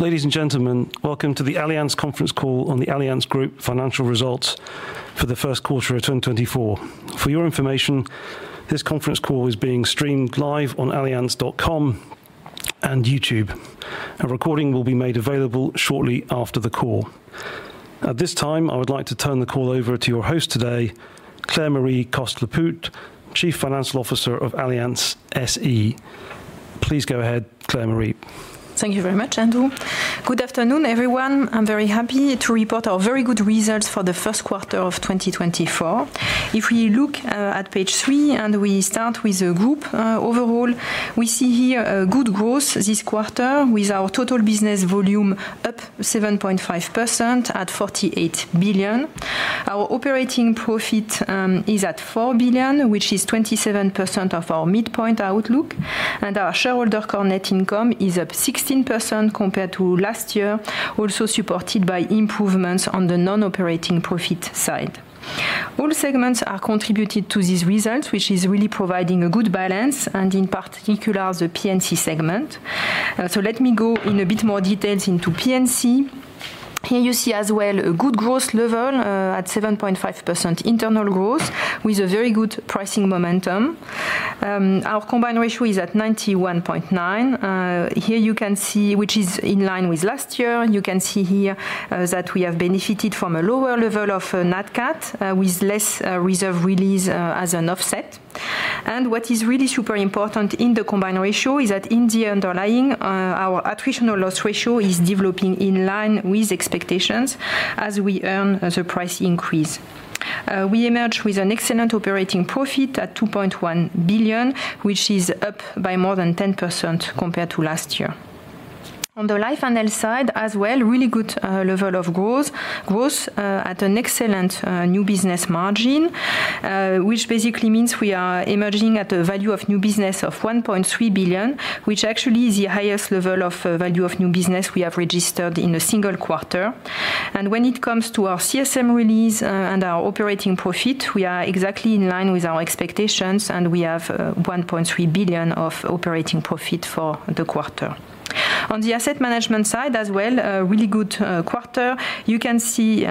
Ladies and gentlemen, welcome to the Allianz Conference Call on the Allianz Group Financial Results for the first quarter of 2024. For your information, this conference call is being streamed live on allianz.com and YouTube. A recording will be made available shortly after the call. At this time, I would like to turn the call over to your host today, Claire-Marie Coste-Lepoutre, Chief Financial Officer of Allianz SE. Please go ahead, Claire-Marie. Thank you very much, Andrew. Good afternoon, everyone. I'm very happy to report our very good results for the first quarter of 2024. If we look at page three and we start with the group overall, we see here good growth this quarter, with our total business volume up 7.5% at 48 billion. Our operating profit is at 4 billion, which is 27% of our midpoint outlook. Our shareholder core net income is up 16% compared to last year, also supported by improvements on the non-operating profit side. All segments are contributing to these results, which is really providing a good balance, and in particular the P&C segment. So let me go in a bit more details into P&C. Here you see as well a good growth level at 7.5% internal growth, with a very good pricing momentum. Our combined ratio is at 91.9%. Here you can see, which is in line with last year, you can see here that we have benefited from a lower level of a NatCat, with less reserve release as an offset. And what is really super important in the combined ratio is that in the underlying, our attritional loss ratio is developing in line with expectations as we earn the price increase. We emerge with an excellent operating profit at $2.1 billion, which is up by more than 10% compared to last year. On the life and health side as well, really good level of growth, growth at an excellent new business margin, which basically means we are emerging at a value of new business of $1.3 billion, which actually is the highest level of value of new business we have registered in a single quarter. When it comes to our CSM release and our operating profit, we are exactly in line with our expectations, and we have $1.3 billion of operating profit for the quarter. On the asset management side as well, really good quarter. You can see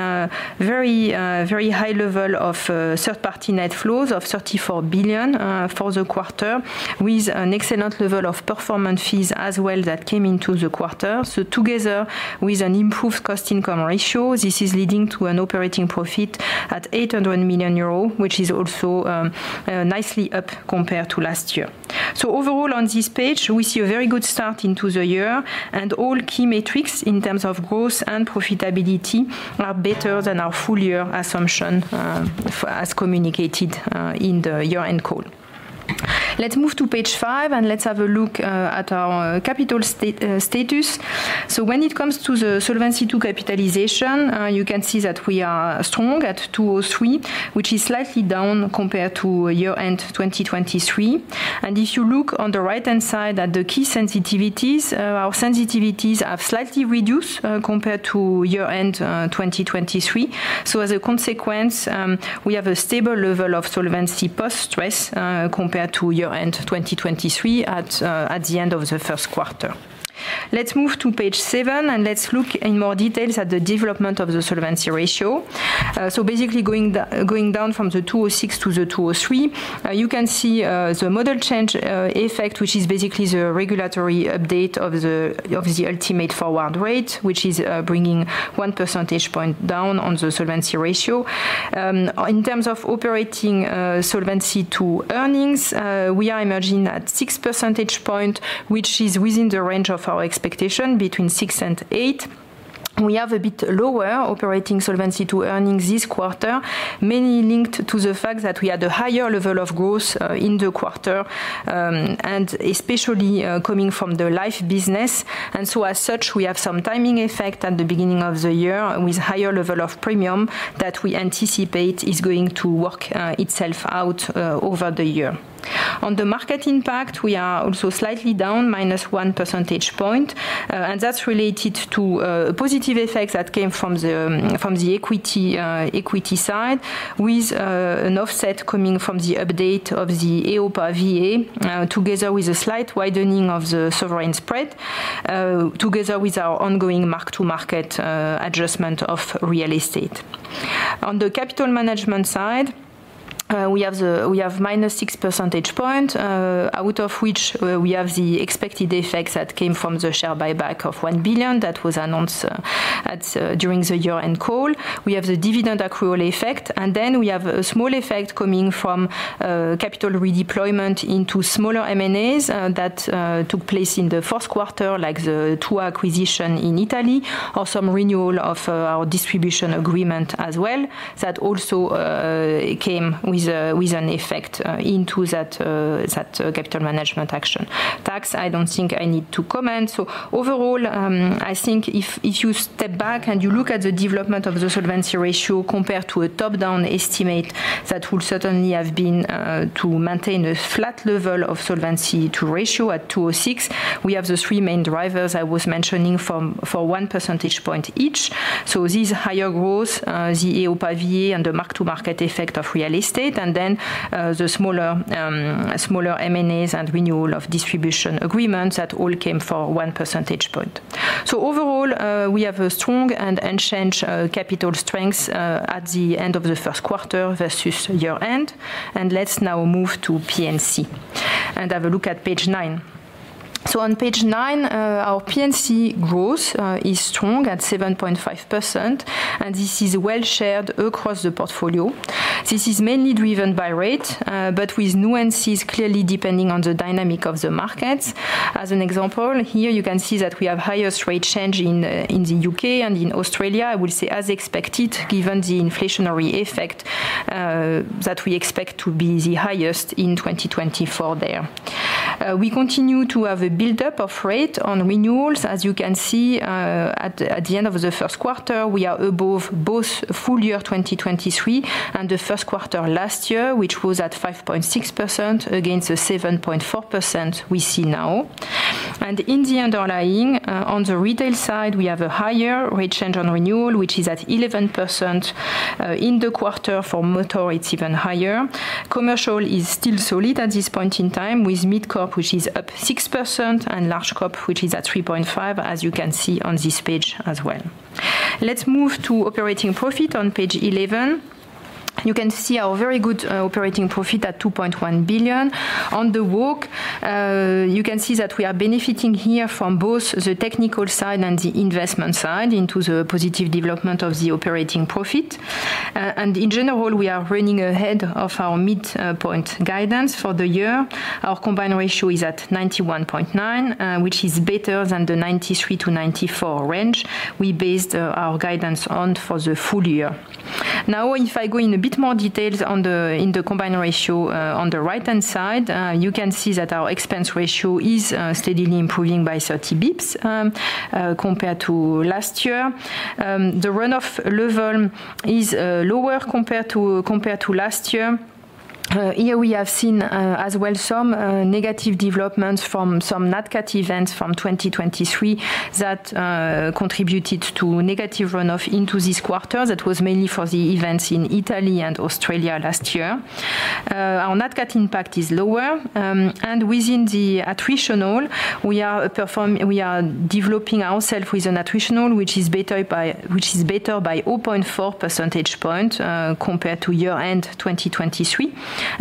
very, very high level of third-party net flows of $34 billion for the quarter, with an excellent level of performance fees as well that came into the quarter. Together with an improved cost-income ratio, this is leading to an operating profit at 800 million euro, which is also nicely up compared to last year. Overall, on this page, we see a very good start into the year, and all key metrics in terms of growth and profitability are better than our full-year assumption, as communicated in the year-end call. Let's move to page 5, and let's have a look at our capital status. When it comes to the Solvency II capitalization, you can see that we are strong at 203%, which is slightly down compared to year-end 2023. If you look on the right-hand side at the key sensitivities, our sensitivities have slightly reduced compared to year-end 2023. As a consequence, we have a stable level of solvency post-stress compared to year-end 2023 at the end of the first quarter. Let's move to page seven, and let's look in more details at the development of the solvency ratio. Basically going down from the 206% to the 203%, you can see the model change effect, which is basically the regulatory update of the ultimate forward rate, which is bringing one percentage point down on the solvency ratio. In terms of operating Solvency II earnings, we are emerging at six percentage points, which is within the range of our expectation, between six and eight. We have a bit lower operating Solvency II earnings this quarter, mainly linked to the fact that we had a higher level of growth in the quarter, and especially coming from the life business. So as such, we have some timing effect at the beginning of the year with a higher level of premium that we anticipate is going to work itself out over the year. On the market impact, we are also slightly down, -1 percentage point. That's related to positive effects that came from the equity side, with an offset coming from the update of the EIOPA VA, together with a slight widening of the sovereign spread, together with our ongoing mark-to-market adjustment of real estate. On the capital management side, we have -6 percentage points, out of which we have the expected effects that came from the share buyback of $1 billion that was announced during the year-end call. We have the dividend accrual effect. And then we have a small effect coming from capital redeployment into smaller M&As that took place in the fourth quarter, like the Tua acquisition in Italy, or some renewal of our distribution agreement as well, that also came with an effect into that capital management action. Tax, I don't think I need to comment. So overall, I think if you step back and you look at the development of the solvency ratio compared to a top-down estimate, that will certainly have been to maintain a flat level of solvency ratio at 206. We have the three main drivers I was mentioning for 1 percentage point each. So this higher growth, the EIOPA VA and the mark-to-market effect of real estate, and then the smaller M&As and renewal of distribution agreements that all came for one percentage point. So overall, we have a strong and unchanged capital strength at the end of the first quarter versus year-end. And let's now move to P&C and have a look at page nine. So on page nine, our P&C growth is strong at 7.5%, and this is well shared across the portfolio. This is mainly driven by rate, but with nuances clearly depending on the dynamic of the markets. As an example, here you can see that we have highest rate change in the U.K. and in Australia, I would say as expected, given the inflationary effect that we expect to be the highest in 2024 there. We continue to have a buildup of rate on renewals. As you can see, at the end of the first quarter, we are above both full-year 2023 and the first quarter last year, which was at 5.6% against the 7.4% we see now. And in the underlying, on the Retail side, we have a higher rate change on renewal, which is at 11% in the quarter. For motor, it's even higher. Commercial is still solid at this point in time, with MidCorp, which is up 6%, and LargeCorp, which is at 3.5%, as you can see on this page as well. Let's move to operating profit on page 11. You can see our very good operating profit at $2.1 billion. On the Walk, you can see that we are benefiting here from both the technical side and the investment side into the positive development of the operating profit. In general, we are running ahead of our midpoint guidance for the year. Our combined ratio is at 91.9%, which is better than the 93%-94% range we based our guidance on for the full year. Now, if I go in a bit more details in the combined ratio on the right-hand side, you can see that our expense ratio is steadily improving by 30 bps compared to last year. The runoff level is lower compared to last year. Here we have seen as well some negative developments from some NatCat events from 2023 that contributed to negative runoff into this quarter. That was mainly for the events in Italy and Australia last year. Our NatCat impact is lower. Within the attritional, we are developing ourselves with an attritional, which is better by 0.4 percentage points compared to year-end 2023.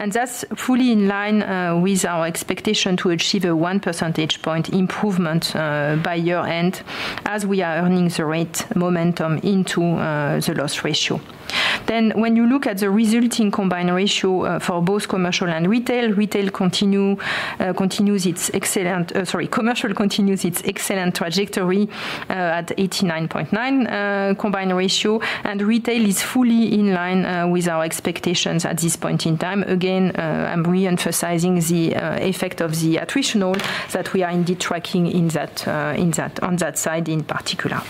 That's fully in line with our expectation to achieve a one percentage point improvement by year-end as we are earning the rate momentum into the loss ratio. Then when you look at the resulting combined ratio for both commercial and retail, retail continues its excellent trajectory at 89.9% combined ratio. And retail is fully in line with our expectations at this point in time. Again, I'm re-emphasizing the effect of the attritional that we are indeed tracking on that side in particular.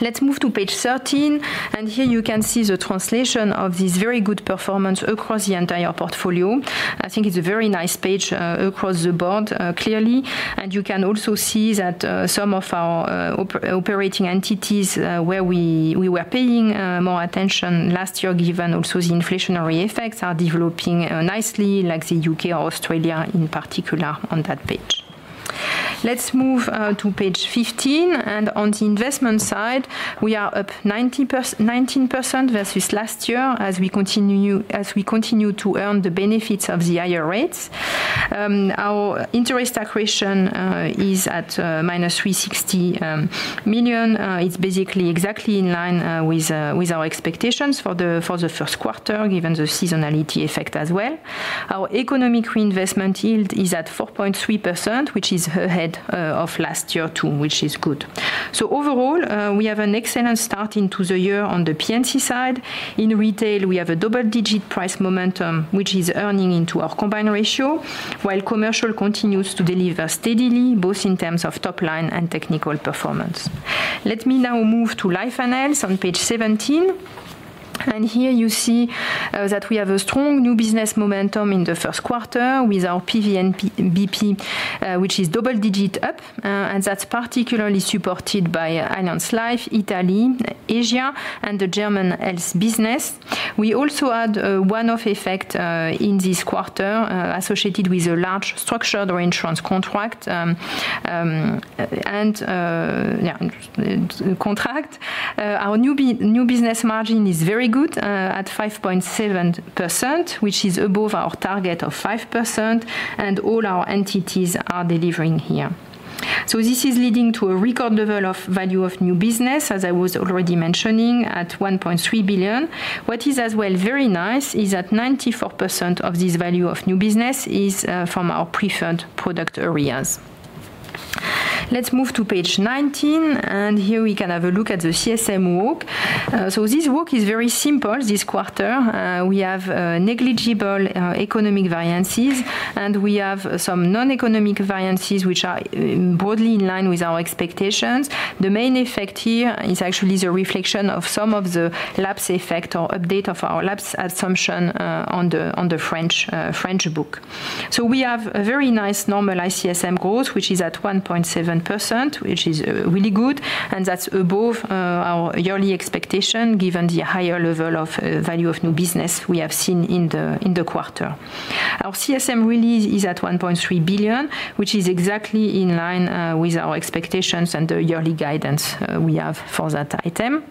Let's move to page 13. And here you can see the translation of this very good performance across the entire portfolio. I think it's a very nice page across the board, clearly. You can also see that some of our operating entities where we were paying more attention last year, given also the inflationary effects, are developing nicely, like the U.K. or Australia in particular on that page. Let's move to page 15. On the investment side, we are up 19% versus last year as we continue to earn the benefits of the higher rates. Our interest accretion is at -$360 million. It's basically exactly in line with our expectations for the first quarter, given the seasonality effect as well. Our economic reinvestment yield is at 4.3%, which is ahead of last year too, which is good. So overall, we have an excellent start into the year on the P&C side. In retail, we have a double-digit price momentum, which is earning into our combined ratio, while commercial continues to deliver steadily, both in terms of top-line and technical performance. Let me now move to life and health on page 17. Here you see that we have a strong new business momentum in the first quarter with our PVNBP, which is double-digit up. That's particularly supported by Allianz Life, Italy, Asia, and the German Health Business. We also had a one-off effect in this quarter associated with a large structured reinsurance contract. Our new business margin is very good at 5.7%, which is above our target of 5%. And all our entities are delivering here. This is leading to a record level of value of new business, as I was already mentioning, at $1.3 billion. What is as well very nice is that 94% of this value of new business is from our preferred product areas. Let's move to page 19. Here we can have a look at the CSM Walk. This Walk is very simple this quarter. We have negligible economic variances, and we have some non-economic variances which are broadly in line with our expectations. The main effect here is actually the reflection of some of the lapse effect or update of our lapse assumption on the French book. We have a very nice normal CSM growth, which is at 1.7%, which is really good. That's above our yearly expectation, given the higher level of value of new business we have seen in the quarter. Our CSM release is at 1.3 billion, which is exactly in line with our expectations and the yearly guidance we have for that item.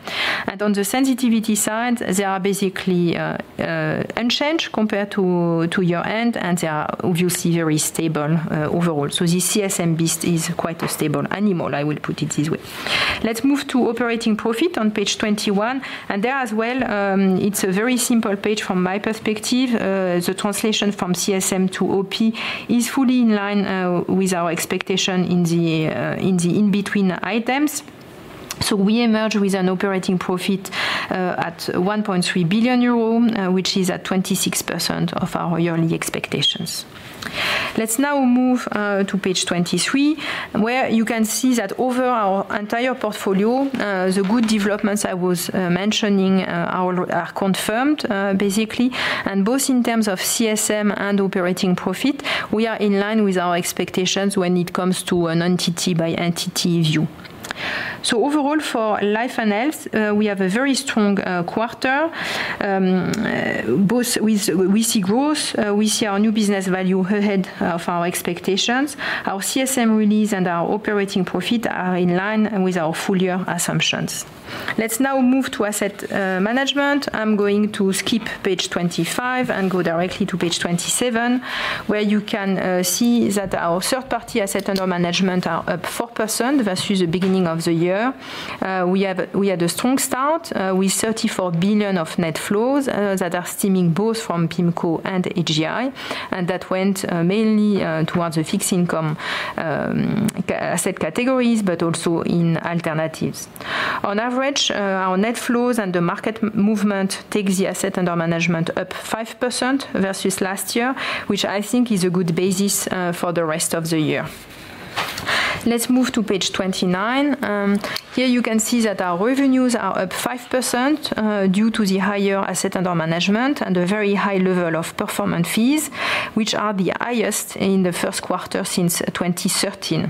On the sensitivity side, they are basically unchanged compared to year-end, and they are, obviously, very stable overall. So this CSM beast is quite a stable animal, I will put it this way. Let's move to operating profit on page 21. And there as well, it's a very simple page from my perspective. The translation from CSM to OP is fully in line with our expectation in the in-between items. So we emerge with an operating profit at 1.3 billion euro, which is at 26% of our yearly expectations. Let's now move to page 23, where you can see that over our entire portfolio, the good developments I was mentioning are confirmed, basically. And both in terms of CSM and operating profit, we are in line with our expectations when it comes to an entity-by-entity view. So overall, for life and health, we have a very strong quarter. We both see growth. We see our new business value ahead of our expectations. Our CSM release and our operating profit are in line with our full-year assumptions. Let's now move to asset management. I'm going to skip page 25 and go directly to page 27, where you can see that our third-party assets under management are up 4% versus the beginning of the year. We had a strong start with $34 billion of net flows that are stemming both from PIMCO and AGI. And that went mainly towards the fixed income asset categories, but also in alternatives. On average, our net flows and the market movement take the assets under management up 5% versus last year, which I think is a good basis for the rest of the year. Let's move to page 29. Here you can see that our revenues are up 5% due to the higher asset under management and the very high level of performance fees, which are the highest in the first quarter since 2013.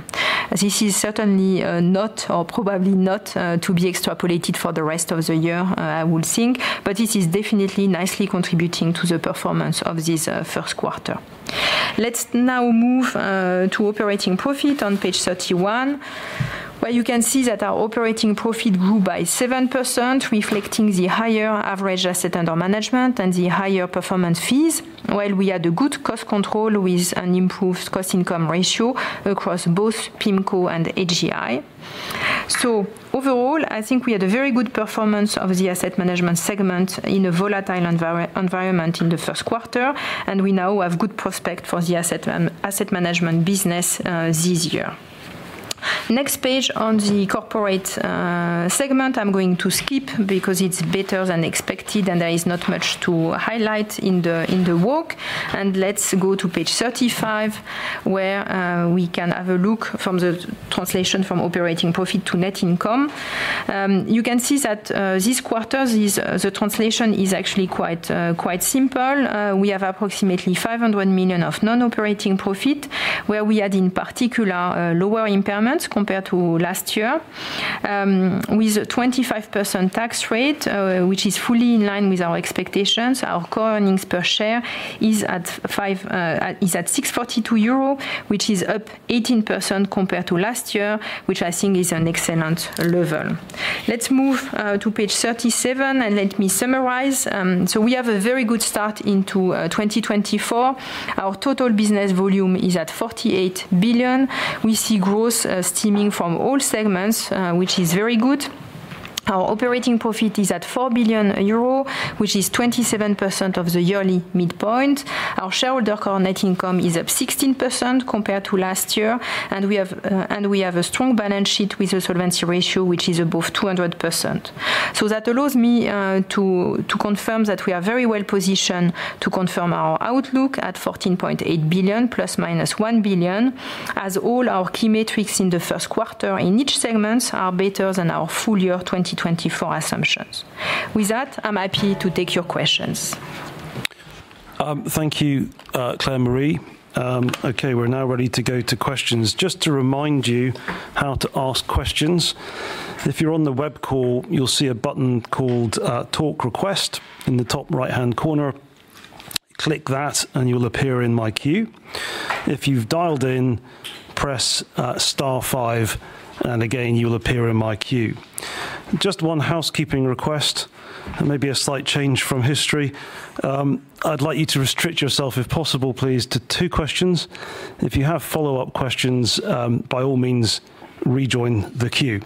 This is certainly not or probably not to be extrapolated for the rest of the year, I would think. But this is definitely nicely contributing to the performance of this first quarter. Let's now move to operating profit on page 31, where you can see that our operating profit grew by 7%, reflecting the higher average asset under management and the higher performance fees, while we had a good cost control with an improved cost-income ratio across both PIMCO and AGI. So overall, I think we had a very good performance of the asset management segment in a volatile environment in the first quarter. We now have good prospects for the asset management business this year. Next page on the corporate segment, I'm going to skip because it's better than expected, and there is not much to highlight in the Walk. Let's go to page 35, where we can have a look from the translation from operating profit to net income. You can see that this quarter, the translation is actually quite simple. We have approximately $500 million of non-operating profit, where we had, in particular, lower impairments compared to last year, with a 25% tax rate, which is fully in line with our expectations. Our core earnings per share is at 642 euro, which is up 18% compared to last year, which I think is an excellent level. Let's move to page 37, and let me summarize. We have a very good start into 2024. Our total business volume is at $48 billion. We see growth steaming from all segments, which is very good. Our operating profit is at 4 billion euro, which is 27% of the yearly midpoint. Our shareholder core net income is up 16% compared to last year. We have a strong balance sheet with a solvency ratio, which is above 200%. That allows me to confirm that we are very well positioned to confirm our outlook at $14.8 billion ± $1 billion, as all our key metrics in the first quarter in each segment are better than our full-year 2024 assumptions. With that, I'm happy to take your questions. Thank you, Claire-Marie. OK, we're now ready to go to questions. Just to remind you how to ask questions, if you're on the web call, you'll see a button called Talk Request in the top right-hand corner. Click that, and you'll appear in my queue. If you've dialed in, press star five. And again, you'll appear in my queue. Just one housekeeping request and maybe a slight change from history. I'd like you to restrict yourself, if possible, please, to two questions. If you have follow-up questions, by all means, rejoin the queue.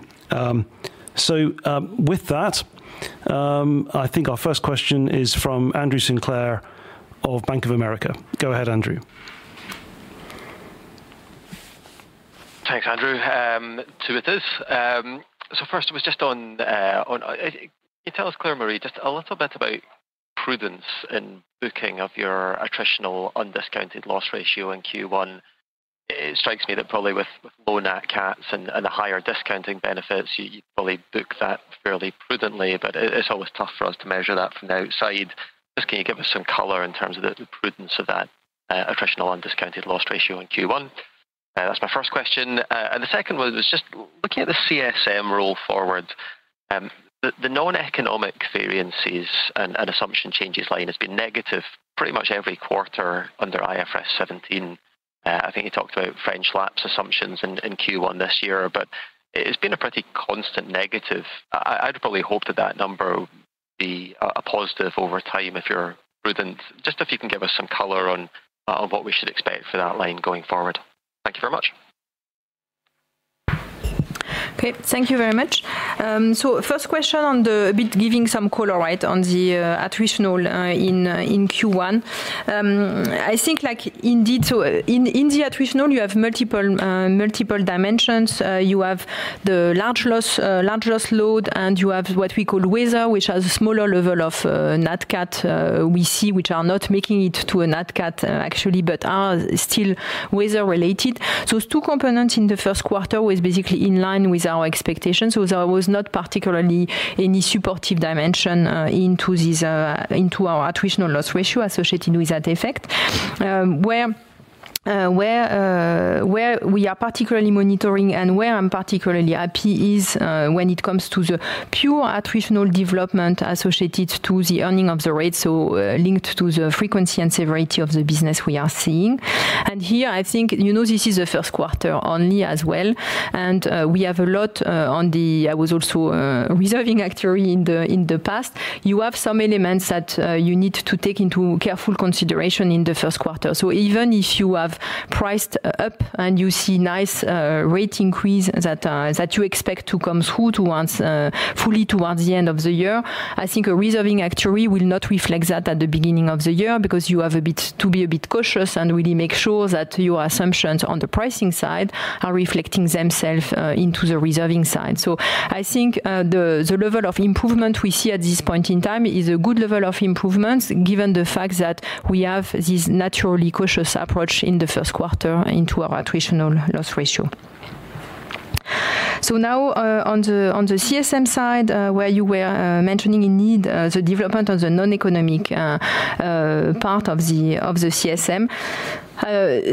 So with that, I think our first question is from Andrew Sinclair of Bank of America. Go ahead, Andrew. Thanks, Andrew. Two with this. So first, it was just on: can you tell us, Claire-Marie, just a little bit about prudence in booking of your attritional undiscounted loss ratio in Q1? It strikes me that probably with low NatCats and a higher discounting benefits, you'd probably book that fairly prudently. But it's always tough for us to measure that from the outside. Just can you give us some color in terms of the prudence of that attritional undiscounted loss ratio in Q1? That's my first question. And the second one was just looking at the CSM roll forward. The non-economic variances and assumption changes line has been negative pretty much every quarter under IFRS 17. I think you talked about French lapse assumptions in Q1 this year. But it's been a pretty constant negative. I'd probably hope that that number would be a positive over time if you're prudent, just if you can give us some color on what we should expect for that line going forward. Thank you very much. OK, thank you very much. So first question on the a bit giving some color, right, on the attritional in Q1. I think, indeed, so in the attritional, you have multiple dimensions. You have the large loss load, and you have what we call weather, which has a smaller level of NatCat we see, which are not making it to a NatCat, actually, but are still weather-related. So two components in the first quarter were basically in line with our expectations. So there was not particularly any supportive dimension into our attritional loss ratio associated with that effect. Where we are particularly monitoring and where I'm particularly happy is when it comes to the pure attritional development associated to the earning of the rates, so linked to the frequency and severity of the business we are seeing. Here, I think you know this is the first quarter only as well. I was also a reserving actuary in the past. You have some elements that you need to take into careful consideration in the first quarter. So even if you have priced up and you see nice rate increase that you expect to come through fully towards the end of the year, I think a reserving actuary will not reflect that at the beginning of the year because you have a bit to be a bit cautious and really make sure that your assumptions on the pricing side are reflecting themselves into the reserving side. So, I think the level of improvement we see at this point in time is a good level of improvement, given the fact that we have this naturally cautious approach in the first quarter into our attritional loss ratio. So now, on the CSM side, where you were mentioning indeed the development of the non-economic part of the CSM,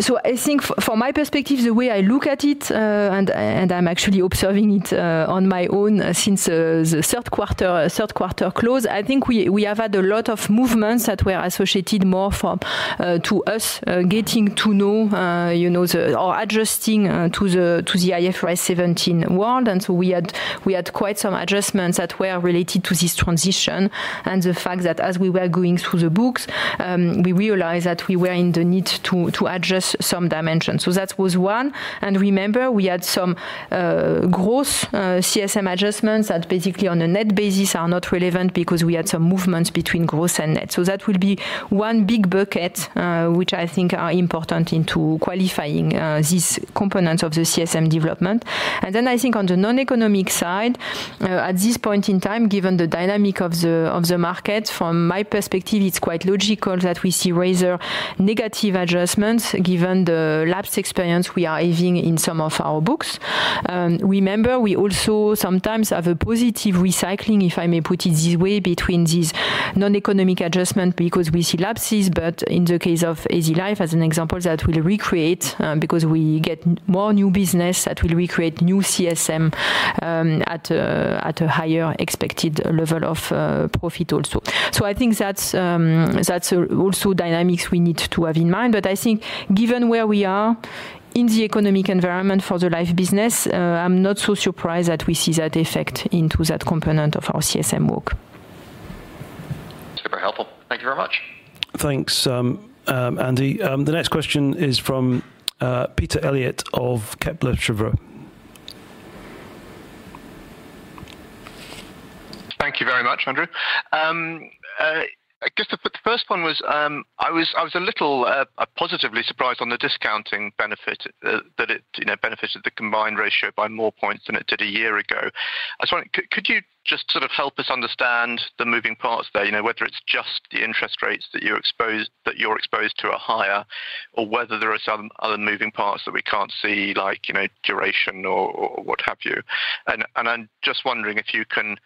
so I think, from my perspective, the way I look at it, and I'm actually observing it on my own since the third quarter closed, I think we have had a lot of movements that were associated more to us getting to know or adjusting to the IFRS 17 world. And so we had quite some adjustments that were related to this transition and the fact that, as we were going through the books, we realized that we were in the need to adjust some dimensions. So that was one. And remember, we had some gross CSM adjustments that, basically, on a net basis are not relevant because we had some movements between gross and net. So that will be one big bucket, which I think are important into qualifying these components of the CSM development. And then I think, on the non-economic side, at this point in time, given the dynamic of the market, from my perspective, it's quite logical that we see weather-negative adjustments, given the lapse experience we are having in some of our books. Remember, we also sometimes have a positive recycling, if I may put it this way, between these non-economic adjustments because we see lapses. But in the case of EasyLife, as an example, that will recreate because we get more new business that will recreate new CSM at a higher expected level of profit also. I think that's also dynamics we need to have in mind. I think, given where we are in the economic environment for the life business, I'm not so surprised that we see that effect into that component of our CSM work. Super helpful. Thank you very much. Thanks, Andy. The next question is from Peter Eliot of Kepler Cheuvreux. Thank you very much, Andrew. I guess the first one was I was a little positively surprised on the discounting benefit, that it benefited the combined ratio by more points than it did a year ago. I just wonder, could you just sort of help us understand the moving parts there, whether it's just the interest rates that you're exposed to are higher or whether there are some other moving parts that we can't see, like duration or what have you? And I'm just wondering if you can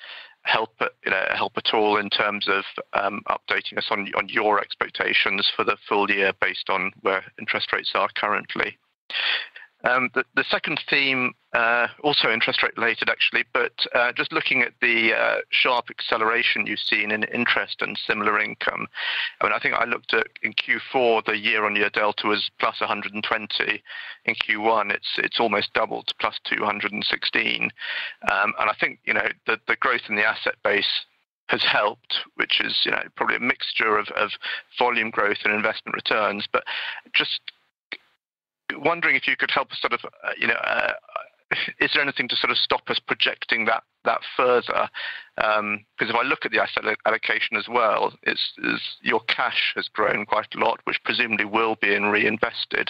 help at all in terms of updating us on your expectations for the full year based on where interest rates are currently. The second theme, also interest rate-related, actually, but just looking at the sharp acceleration you've seen in interest and similar income, I mean, I think I looked at, in Q4, the year-on-year delta was +120. In Q1, it's almost doubled, +216. And I think the growth in the asset base has helped, which is probably a mixture of volume growth and investment returns. But just wondering if you could help us sort of is there anything to sort of stop us projecting that further? Because if I look at the asset allocation as well, your cash has grown quite a lot, which presumably will be reinvested.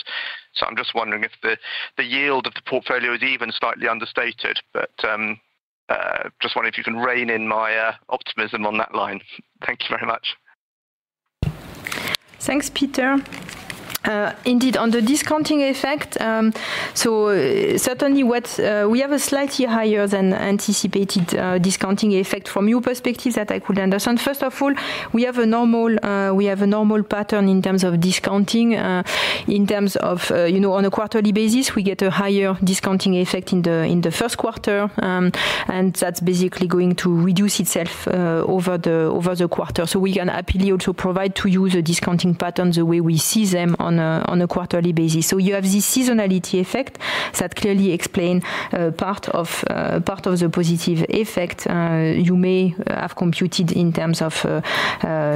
So I'm just wondering if the yield of the portfolio is even slightly understated. But just wondering if you can rein in my optimism on that line. Thank you very much. Thanks, Peter. Indeed, on the discounting effect, so certainly, we have a slightly higher than anticipated discounting effect from your perspective that I could understand. First of all, we have a normal pattern in terms of discounting. On a quarterly basis, we get a higher discounting effect in the first quarter. And that's basically going to reduce itself over the quarter. So we can happily also provide to you the discounting patterns the way we see them on a quarterly basis. So you have this seasonality effect that clearly explains part of the positive effect you may have computed in terms of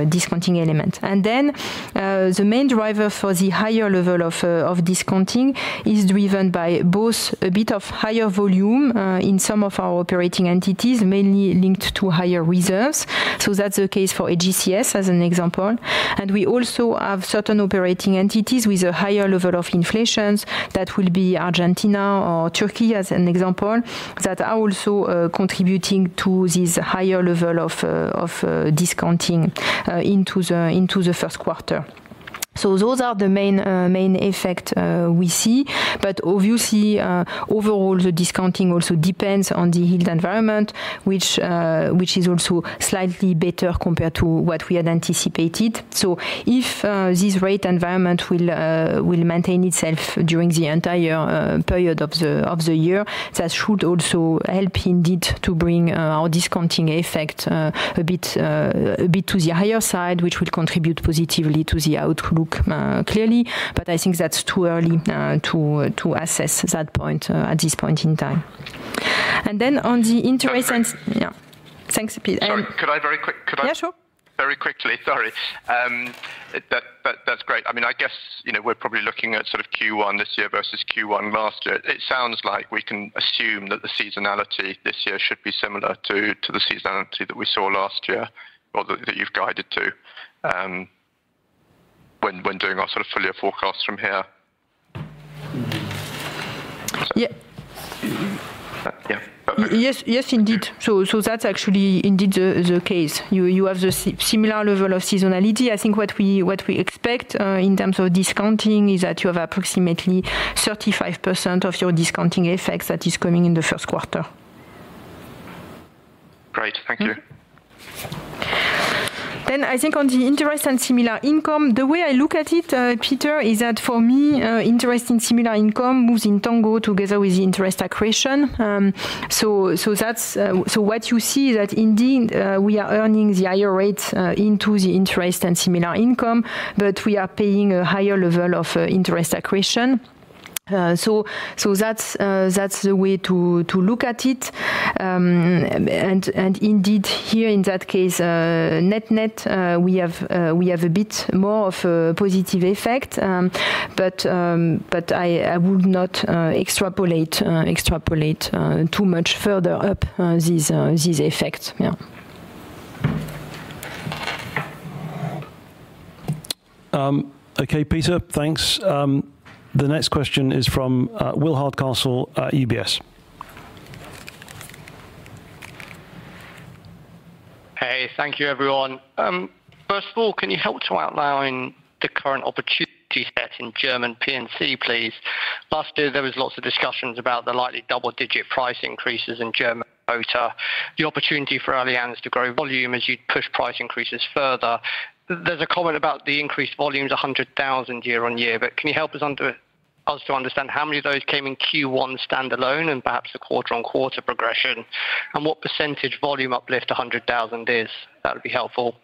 discounting elements. And then the main driver for the higher level of discounting is driven by both a bit of higher volume in some of our operating entities, mainly linked to higher reserves. So that's the case for AGCS, as an example. And we also have certain operating entities with a higher level of inflation that will be Argentina or Turkey, as an example, that are also contributing to this higher level of discounting into the first quarter. So those are the main effects we see. But obviously, overall, the discounting also depends on the yield environment, which is also slightly better compared to what we had anticipated. So if this rate environment will maintain itself during the entire period of the year, that should also help, indeed, to bring our discounting effect a bit to the higher side, which will contribute positively to the outlook, clearly. But I think that's too early to assess that point at this point in time. And then on the interest and yeah, thanks, Peter. Could I very quickly? Yeah, sure. Very quickly, sorry. That's great. I mean, I guess we're probably looking at sort of Q1 this year versus Q1 last year. It sounds like we can assume that the seasonality this year should be similar to the seasonality that we saw last year or that you've guided to when doing our sort of full-year forecast from here. Yeah. Yeah, perfect. Yes, indeed. So that's actually, indeed, the case. You have the similar level of seasonality. I think what we expect in terms of discounting is that you have approximately 35% of your discounting effects that is coming in the first quarter. Great. Thank you. Then I think on the interest and similar income, the way I look at it, Peter, is that, for me, interest and similar income moves in tandem together with the interest accretion. So what you see is that, indeed, we are earning the higher rates into the interest and similar income. But we are paying a higher level of interest accretion. So that's the way to look at it. And indeed, here, in that case, net-net, we have a bit more of a positive effect. But I would not extrapolate too much further out these effects. Yeah. OK, Peter, thanks. The next question is from Will Hardcastle at UBS. Hey, thank you, everyone. First of all, can you help to outline the current opportunity set in German P&C, please? Last year, there was lots of discussions about the likely double-digit price increases in German motor, the opportunity for Allianz to grow volume as you'd push price increases further. There's a comment about the increased volumes 100,000 year-over-year. But can you help us to understand how many of those came in Q1 standalone and perhaps a quarter-on-quarter progression? And what percentage volume uplift 100,000 is? That would be helpful.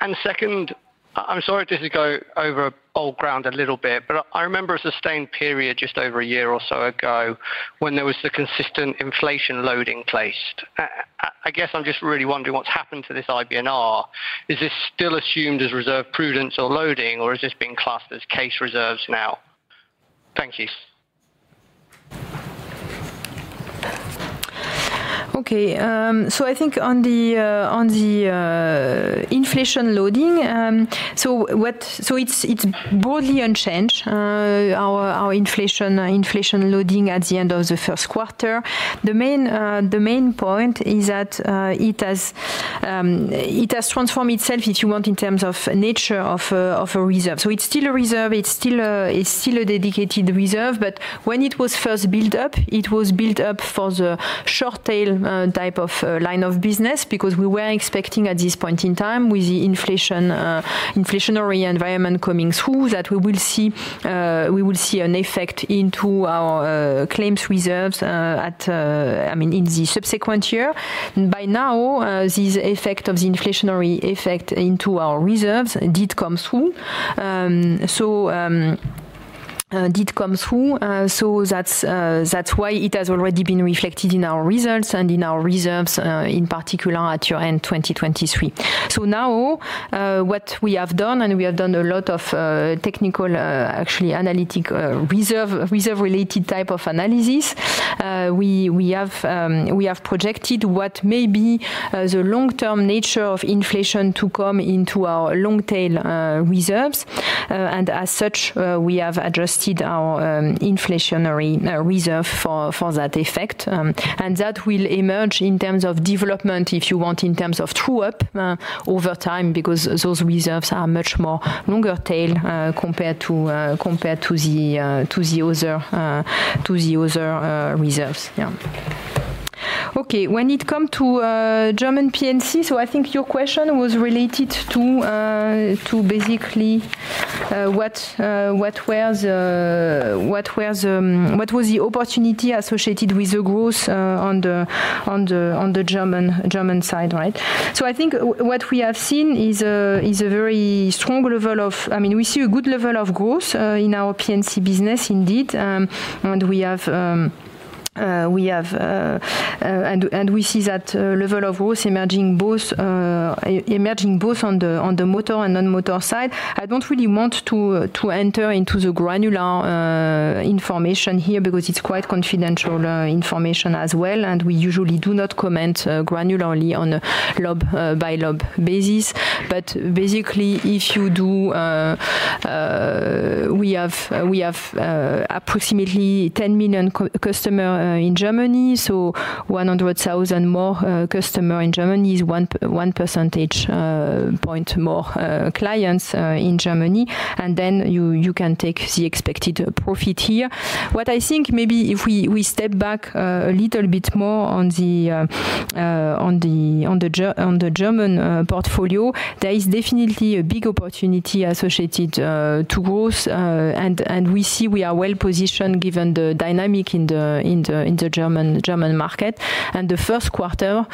And second, I'm sorry if this is going over old ground a little bit. But I remember a sustained period just over a year or so ago when there was the consistent inflation load in place. I guess I'm just really wondering what's happened to this IBNR. Is this still assumed as reserve prudence or loading? Or has this been classed as case reserves now? Thank you. Okay, so I think on the inflation loading, so it's broadly unchanged, our inflation loading at the end of the first quarter. The main point is that it has transformed itself, if you want, in terms of nature of a reserve. So it's still a reserve. It's still a dedicated reserve. But when it was first built up, it was built up for the short-tail type of line of business because we were expecting, at this point in time, with the inflationary environment coming through, that we will see an effect into our claims reserves in the subsequent year. And by now, this effect of the inflationary effect into our reserves did come through. So that's why it has already been reflected in our results and in our reserves, in particular, at year-end 2023. So now, what we have done, and we have done a lot of technical, actually analytic, reserve-related type of analysis, we have projected what may be the long-term nature of inflation to come into our long-tail reserves. And as such, we have adjusted our inflationary reserve for that effect. And that will emerge in terms of development, if you want, in terms of true-up over time because those reserves are much longer-tail compared to the other reserves. Yeah. OK, when it comes to German P&C, so I think your question was related to, basically, what was the opportunity associated with the growth on the German side, right? So I think what we have seen is a very strong level of I mean, we see a good level of growth in our P&C business, indeed. And we see that level of growth emerging both on the motor and non-motor side. I don't really want to enter into the granular information here because it's quite confidential information as well. And we usually do not comment granularly on a LOB-by-LOB basis. But basically, if you do, we have approximately 10 million customers in Germany. So 100,000 more customers in Germany is 1 percentage point more clients in Germany. And then you can take the expected profit here. What I think, maybe if we step back a little bit more on the German portfolio, there is definitely a big opportunity associated to growth. And we see we are well positioned, given the dynamic in the German market. And the first quarter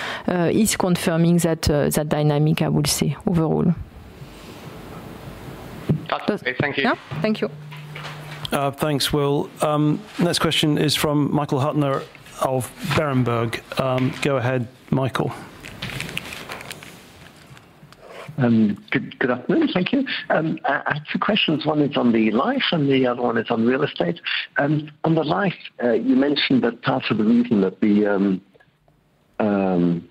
is confirming that dynamic, I would say, overall. OK, thank you. Yeah, thank you. Thanks, Will. Next question is from Michael Huttner of Berenberg. Go ahead, Michael. Good afternoon. Thank you. I have two questions. One is on the life, and the other one is on real estate. On the life, you mentioned that part of the reason that the 6%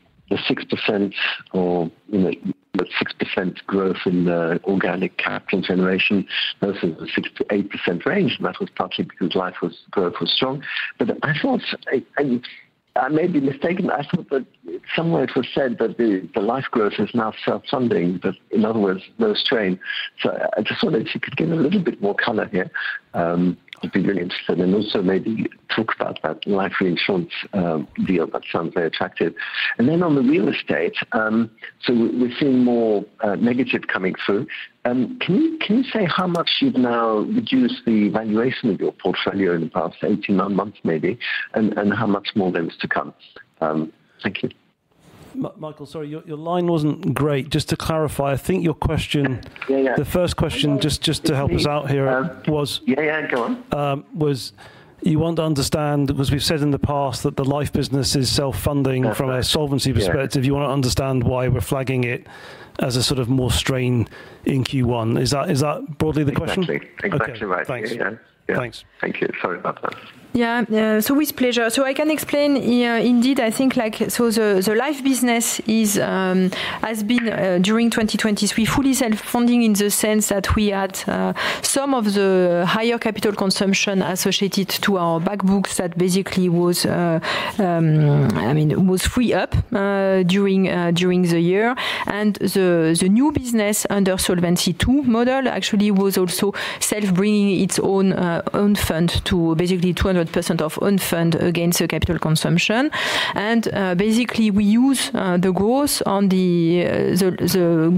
growth in organic capital generation, those are the 6%-8% range. And that was partly because life growth was strong. But I thought, and I may be mistaken, I thought that somewhere it was said that the life growth is now self-funding, but in other words, no strain. So I just wondered if you could give a little bit more color here. I'd be really interested. And also maybe talk about that life reinsurance deal that sounds very attractive. And then on the real estate, so we're seeing more negative coming through. Can you say how much you've now reduced the valuation of your portfolio in the past 18 months, maybe, and how much more there is to come? Thank you. Michael, sorry, your line wasn't great. Just to clarify, I think your question, the first question, just to help us out here, was you want to understand because we've said in the past that the life business is self-funding from a solvency perspective. You want to understand why we're flagging it as a sort of more strain in Q1. Is that broadly the question? Exactly. Exactly right. Thanks. Yeah. Thanks. Thank you. Sorry about that. Yeah, so with pleasure. So I can explain. Indeed, I think so the life business has been, during 2023, fully self-funding in the sense that we had some of the higher capital consumption associated to our backbooks that basically was free up during the year. And the new business under Solvency II model actually was also self-bringing its own fund to basically 200% of own fund against the capital consumption. And basically, we use the growth on the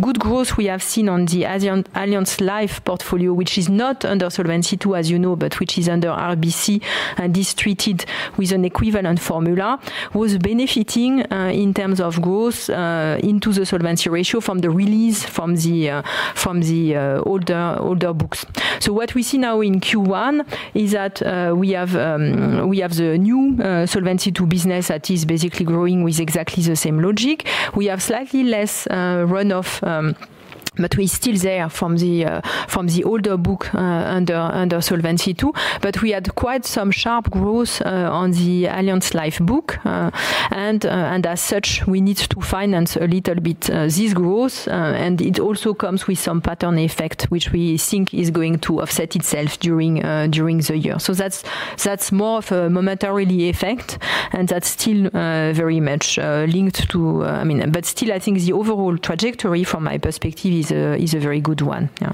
good growth we have seen on the Allianz Life portfolio, which is not under Solvency II, as you know, but which is under RBC and is treated with an equivalent formula, was benefiting in terms of growth into the solvency ratio from the release from the older books. So what we see now in Q1 is that we have the new Solvency II business that is basically growing with exactly the same logic. We have slightly less runoff, but we're still there from the older book under Solvency II. But we had quite some sharp growth on the Allianz Life book. And as such, we need to finance a little bit this growth. And it also comes with some pattern effect, which we think is going to offset itself during the year. So that's more of a momentary effect. And that's still very much linked to, I mean, but still, I think the overall trajectory, from my perspective, is a very good one. Yeah,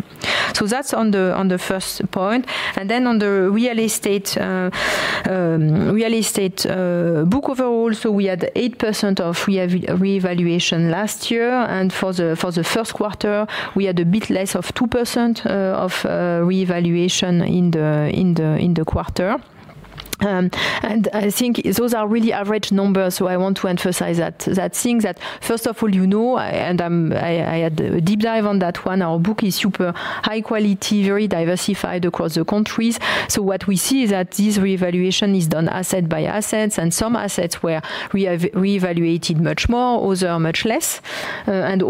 so that's on the first point. And then on the real estate book overall, so we had 8% revaluation last year. For the first quarter, we had a bit less of 2% of revaluation in the quarter. I think those are really average numbers. I want to emphasize that thing, that first of all, you know, and I had a deep dive on that one. Our book is super high quality, very diversified across the countries. What we see is that this revaluation is done asset by asset. Some assets were revalued much more, others much less.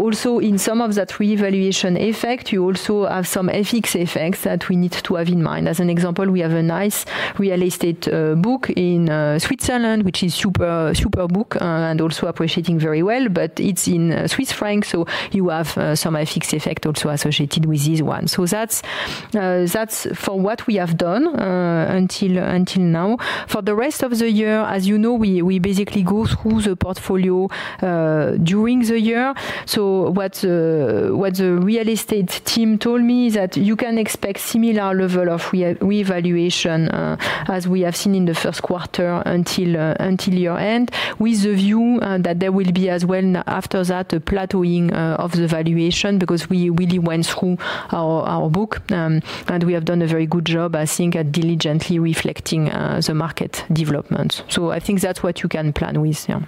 Also, in some of that revaluation effect, you also have some FX effects that we need to have in mind. As an example, we have a nice real estate book in Switzerland, which is a super book and also appreciating very well. But it's in Swiss francs. You have some FX effect also associated with this one. That's for what we have done until now. For the rest of the year, as you know, we basically go through the portfolio during the year. So what the real estate team told me is that you can expect a similar level of revaluation as we have seen in the first quarter until year-end, with the view that there will be, as well, after that, a plateauing of the valuation because we really went through our book. And we have done a very good job, I think, at diligently reflecting the market developments. So I think that's what you can plan with. Yeah.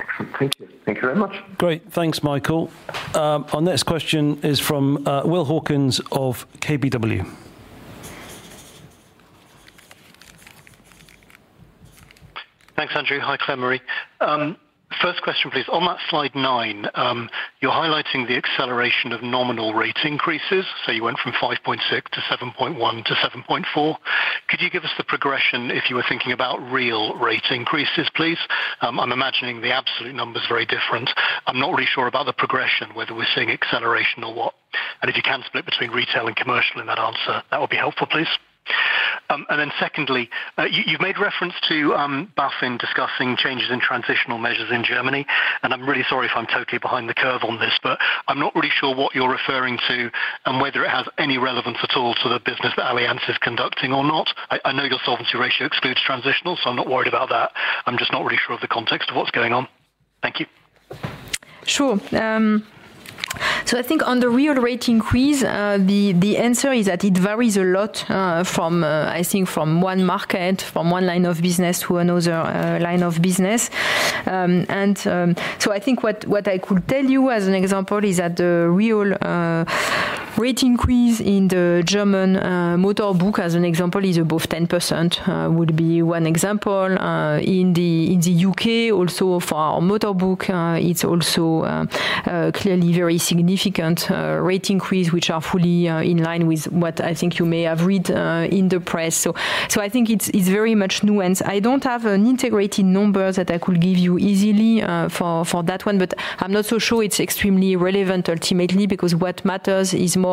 Excellent. Thank you. Thank you very much. Great. Thanks, Michael. Our next question is from Will Hawkins of KBW. Thanks, Andrew. Hi, Claire-Marie. First question, please. On that slide 9, you're highlighting the acceleration of nominal rate increases. So you went from 5.6% to 7.1% to 7.4%. Could you give us the progression, if you were thinking about real rate increases, please? I'm imagining the absolute numbers are very different. I'm not really sure about the progression, whether we're seeing acceleration or what. And if you can split between retail and commercial in that answer, that would be helpful, please. And then secondly, you've made reference to BaFin discussing changes in transitional measures in Germany. And I'm really sorry if I'm totally behind the curve on this. But I'm not really sure what you're referring to and whether it has any relevance at all to the business that Allianz is conducting or not. I know your solvency ratio excludes transitional. So I'm not worried about that. I'm just not really sure of the context of what's going on. Thank you. Sure. So I think on the real rate increase, the answer is that it varies a lot, I think, from one market, from one line of business to another line of business. And so I think what I could tell you as an example is that the real rate increase in the German motor book, as an example, is above 10%, would be one example. In the U.K., also for our motor book, it's also clearly a very significant rate increase, which are fully in line with what I think you may have read in the press. So I think it's very much nuanced. I don't have an integrated number that I could give you easily for that one. But I'm not so sure it's extremely relevant, ultimately, because what matters is more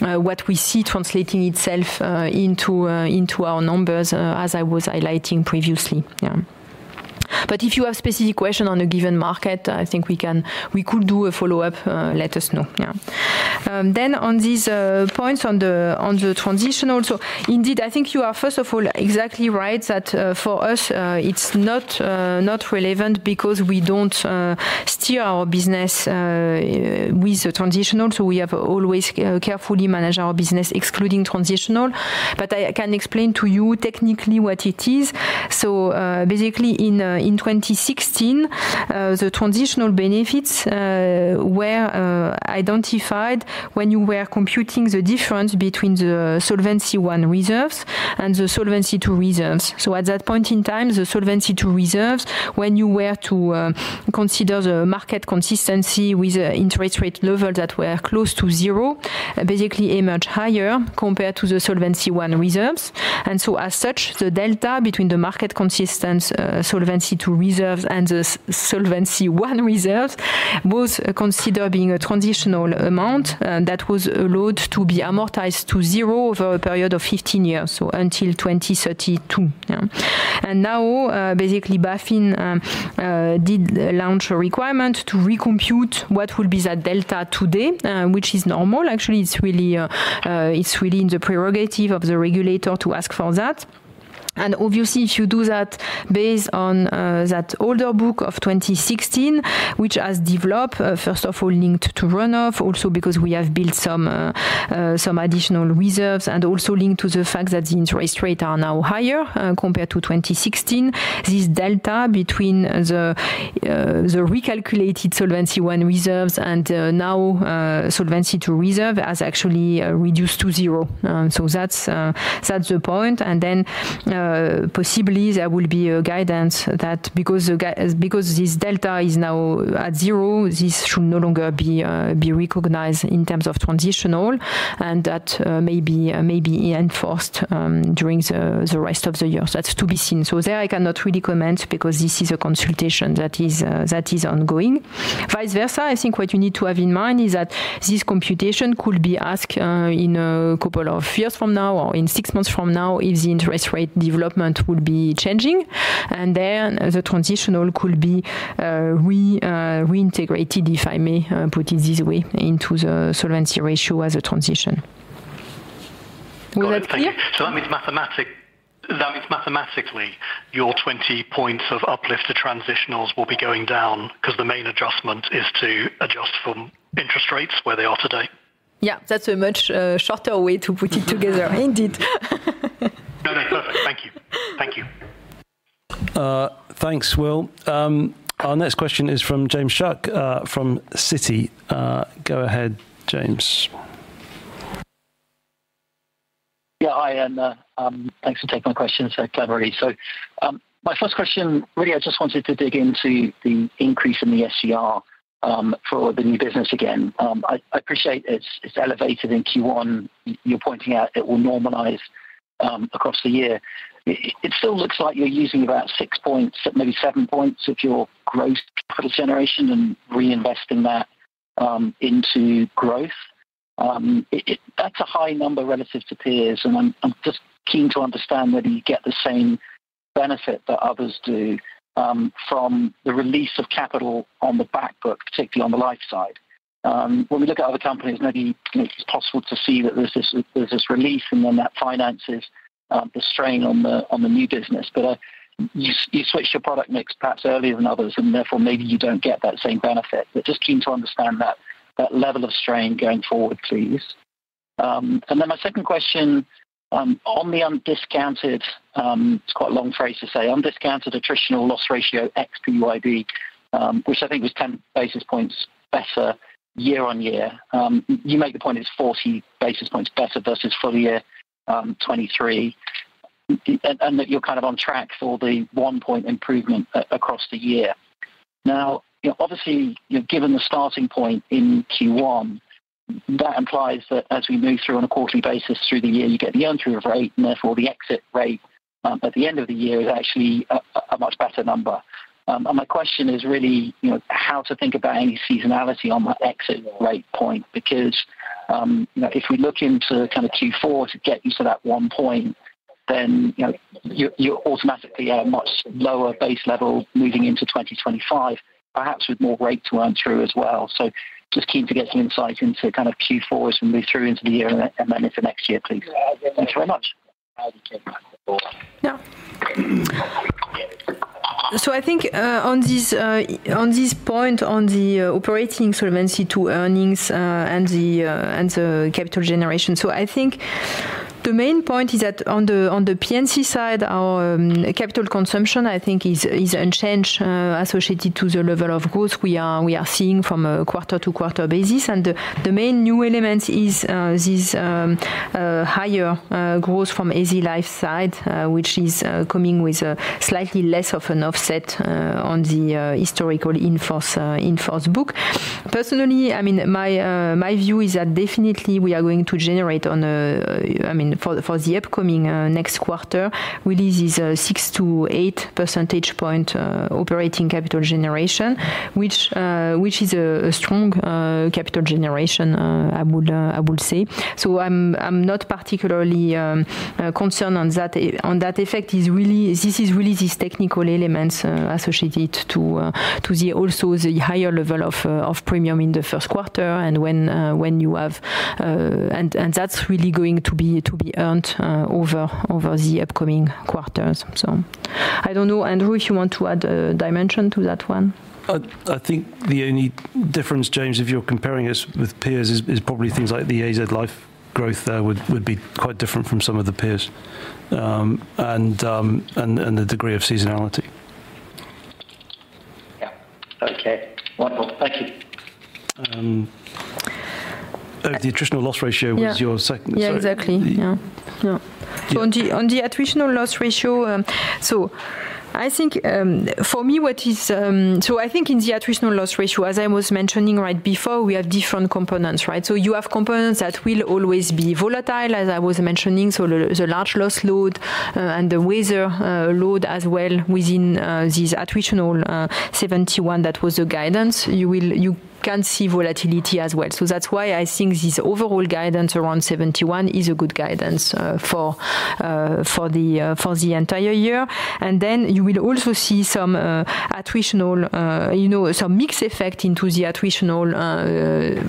what we see translating itself into our numbers, as I was highlighting previously. Yeah, but if you have a specific question on a given market, I think we could do a follow-up. Let us know. Yeah, then on these points on the transitional, so indeed, I think you are, first of all, exactly right that for us, it's not relevant because we don't steer our business with the transitional. So we have always carefully managed our business, excluding transitional. But I can explain to you technically what it is. So basically, in 2016, the transitional benefits were identified when you were computing the difference between the Solvency I reserves and the Solvency II reserves. So at that point in time, the Solvency II reserves, when you were to consider the market consistency with the interest rate level that were close to zero, basically emerged higher compared to the Solvency I reserves. As such, the delta between the market-consistent Solvency II reserves and the Solvency I reserves was considered being a transitional amount that was allowed to be amortized to zero over a period of 15 years, so until 2032. Now, basically, BaFin did launch a requirement to recompute what would be that delta today, which is normal. Actually, it's really in the prerogative of the regulator to ask for that. Obviously, if you do that based on that older book of 2016, which has developed, first of all, linked to runoff, also because we have built some additional reserves, and also linked to the fact that the interest rates are now higher compared to 2016, this delta between the recalculated Solvency I reserves and now Solvency II reserves has actually reduced to zero. That's the point. Then possibly, there will be a guidance that because this delta is now at 0, this should no longer be recognized in terms of transitional. That may be enforced during the rest of the year. That's to be seen. There, I cannot really comment because this is a consultation that is ongoing. Vice versa, I think what you need to have in mind is that this computation could be asked in a couple of years from now or in 6 months from now if the interest rate development would be changing. Then the transitional could be reintegrated, if I may put it this way, into the solvency ratio as a transition. That means mathematically, your 20 points of uplift to transitionals will be going down because the main adjustment is to adjust from interest rates where they are today? Yeah, that's a much shorter way to put it together, indeed. No, no, perfect. Thank you. Thank you. Thanks, Will. Our next question is from James Shuck from Citi. Go ahead, James. Yeah, hi, Andrew. Thanks for taking my question, Claire-Marie. So my first question, really, I just wanted to dig into the increase in the SCR for the new business again. I appreciate it's elevated in Q1. You're pointing out it will normalize across the year. It still looks like you're using about 6 points, maybe 7 points of your gross capital generation and reinvesting that into growth. That's a high number relative to peers. And I'm just keen to understand whether you get the same benefit that others do from the release of capital on the backbook, particularly on the life side. When we look at other companies, maybe it's possible to see that there's this release and then that finances the strain on the new business. But you switch your product mix, perhaps, earlier than others. And therefore, maybe you don't get that same benefit. But just keen to understand that level of strain going forward, please. And then my second question, on the undiscounted it's quite a long phrase to say undiscounted attritional loss ratio ex-PYD, which I think was 10 basis points better year-on-year. You make the point it's 40 basis points better versus full year 2023, and that you're kind of on track for the 1-point improvement across the year. Now, obviously, given the starting point in Q1, that implies that as we move through on a quarterly basis through the year, you get the earnthrough of rate. And therefore, the exit rate at the end of the year is actually a much better number. My question is really how to think about any seasonality on that exit rate point because if we look into kind of Q4 to get you to that 1 point, then you're automatically at a much lower base level moving into 2025, perhaps with more rate to earn through as well. Just keen to get some insight into kind of Q4 as we move through into the year and then into next year, please. Thank you very much. Yeah. So I think on this point, on the operating Solvency II earnings and the capital generation, so I think the main point is that on the P&C side, our capital consumption, I think, is unchanged associated to the level of growth we are seeing from a quarter-to-quarter basis. And the main new element is this higher growth from Allianz Life side, which is coming with slightly less of an offset on the historical in-force book. Personally, I mean, my view is that definitely, we are going to generate on, I mean, for the upcoming next quarter, really this 6%-8% operating capital generation, which is a strong capital generation, I would say. So I'm not particularly concerned on that. On that effect, this is really these technical elements associated to also the higher level of premium in the first quarter. When you have and that's really going to be earned over the upcoming quarters. So I don't know, Andrew, if you want to add a dimension to that one. I think the only difference, James, if you're comparing us with peers, is probably things like the AZ Life growth there would be quite different from some of the peers and the degree of seasonality. Yeah, OK. Wonderful. Thank you. The Attritional Loss Ratio was your second. Yeah, exactly. Yeah, yeah. So on the attritional loss ratio, so I think for me, what is so I think in the attritional loss ratio, as I was mentioning right before, we have different components, right? So you have components that will always be volatile, as I was mentioning. So the large loss load and the weather load as well within this attritional 71 that was the guidance, you can see volatility as well. So that's why I think this overall guidance around 71 is a good guidance for the entire year. And then you will also see some attritional, some mixed effect into the attritional,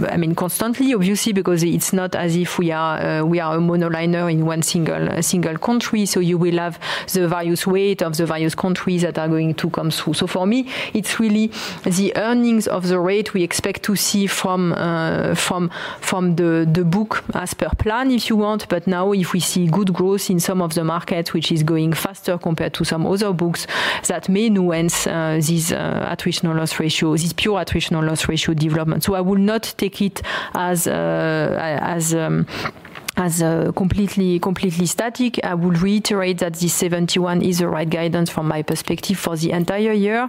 I mean, constantly, obviously, because it's not as if we are a monoliner in one single country. So you will have the various weight of the various countries that are going to come through. So for me, it's really the earnings of the rate we expect to see from the book as per plan, if you want. But now, if we see good growth in some of the markets, which is going faster compared to some other books, that may nuance this attritional loss ratio, this pure attritional loss ratio development. So I will not take it as completely static. I will reiterate that this 71 is the right guidance from my perspective for the entire year.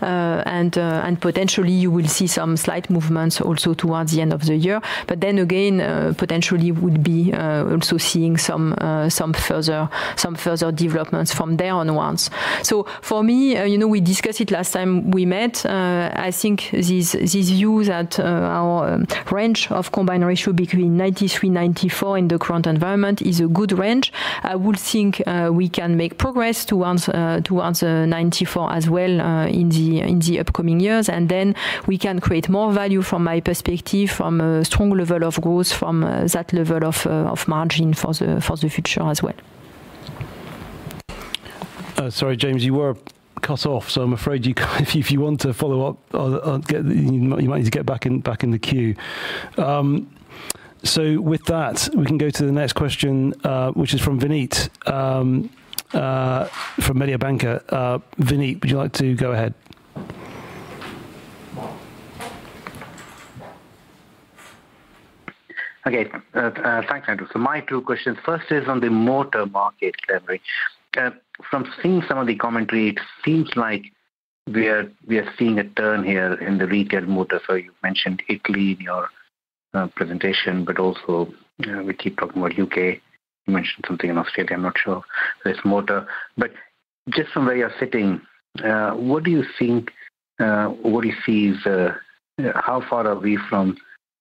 And potentially, you will see some slight movements also towards the end of the year. But then again, potentially, we'd be also seeing some further developments from there onwards. So for me, we discussed it last time we met. I think this view that our range of combined ratio between 93% and 94% in the current environment is a good range. I would think we can make progress towards 94% as well in the upcoming years. Then we can create more value, from my perspective, from a strong level of growth, from that level of margin for the future as well. Sorry, James, you were cut off. So I'm afraid if you want to follow up, you might need to get back in the queue. So with that, we can go to the next question, which is from Vinit from Mediobanca. Vinit, would you like to go ahead? OK, thanks, Andrew. So my two questions. First is on the motor market, Claire-Marie. From seeing some of the commentary, it seems like we are seeing a turn here in the retail motor. So you've mentioned Italy in your presentation. But also, we keep talking about U.K. You mentioned something in Australia. I'm not sure there's motor. But just from where you're sitting, what do you think what do you see is how far are we from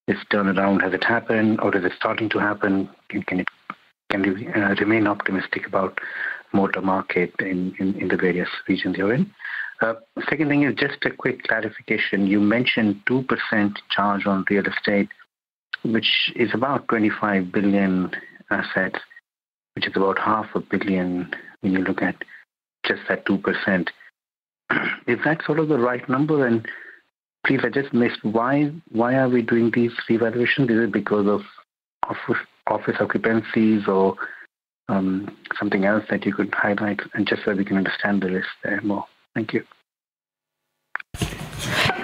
this turnaround? Has it happened, or is it starting to happen? Can we remain optimistic about the motor market in the various regions you're in? Second thing is just a quick clarification. You mentioned 2% charge on real estate, which is about $25 billion assets, which is about $500 million when you look at just that 2%. Is that sort of the right number? Please, I just missed why are we doing these revaluations? Is it because of office occupancies or something else that you could highlight, and just so that we can understand the risk there more? Thank you.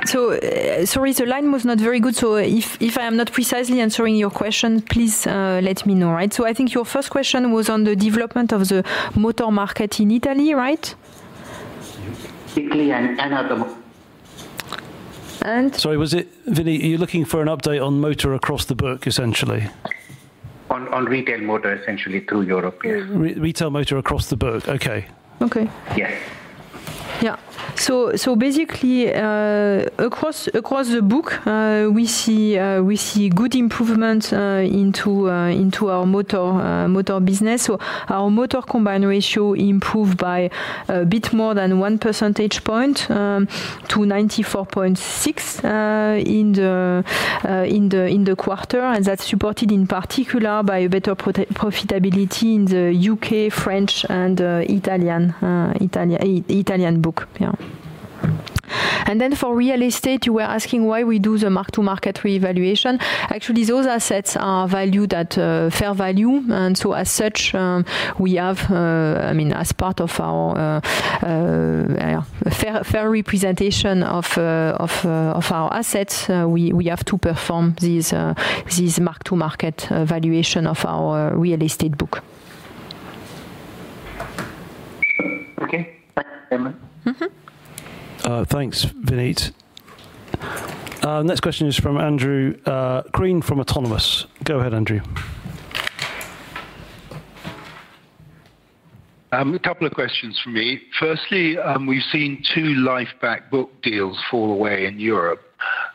Sorry, the line was not very good. If I am not precisely answering your question, please let me know, right? I think your first question was on the development of the motor market in Italy, right? And sorry, was it Vinit, are you looking for an update on motor across the book, essentially? On retail motor, essentially, through Europe, yes. Retail motor across the book, OK. OK. Yes. Yeah, so basically, across the book, we see good improvements into our motor business. So our motor combined ratio improved by a bit more than 1 percentage point to 94.6% in the quarter. And that's supported, in particular, by better profitability in the U.K., French, and Italian book. And then for real estate, you were asking why we do the mark-to-market revaluation. Actually, those assets are fair value. And so as such, we have, I mean, as part of our fair representation of our assets, we have to perform this mark-to-market valuation of our real estate book. OK, thanks, Emma. Thanks, Vinit. Next question is from Andrew Crean from Autonomous. Go ahead, Andrew. A couple of questions from me. Firstly, we've seen two life back book deals fall away in Europe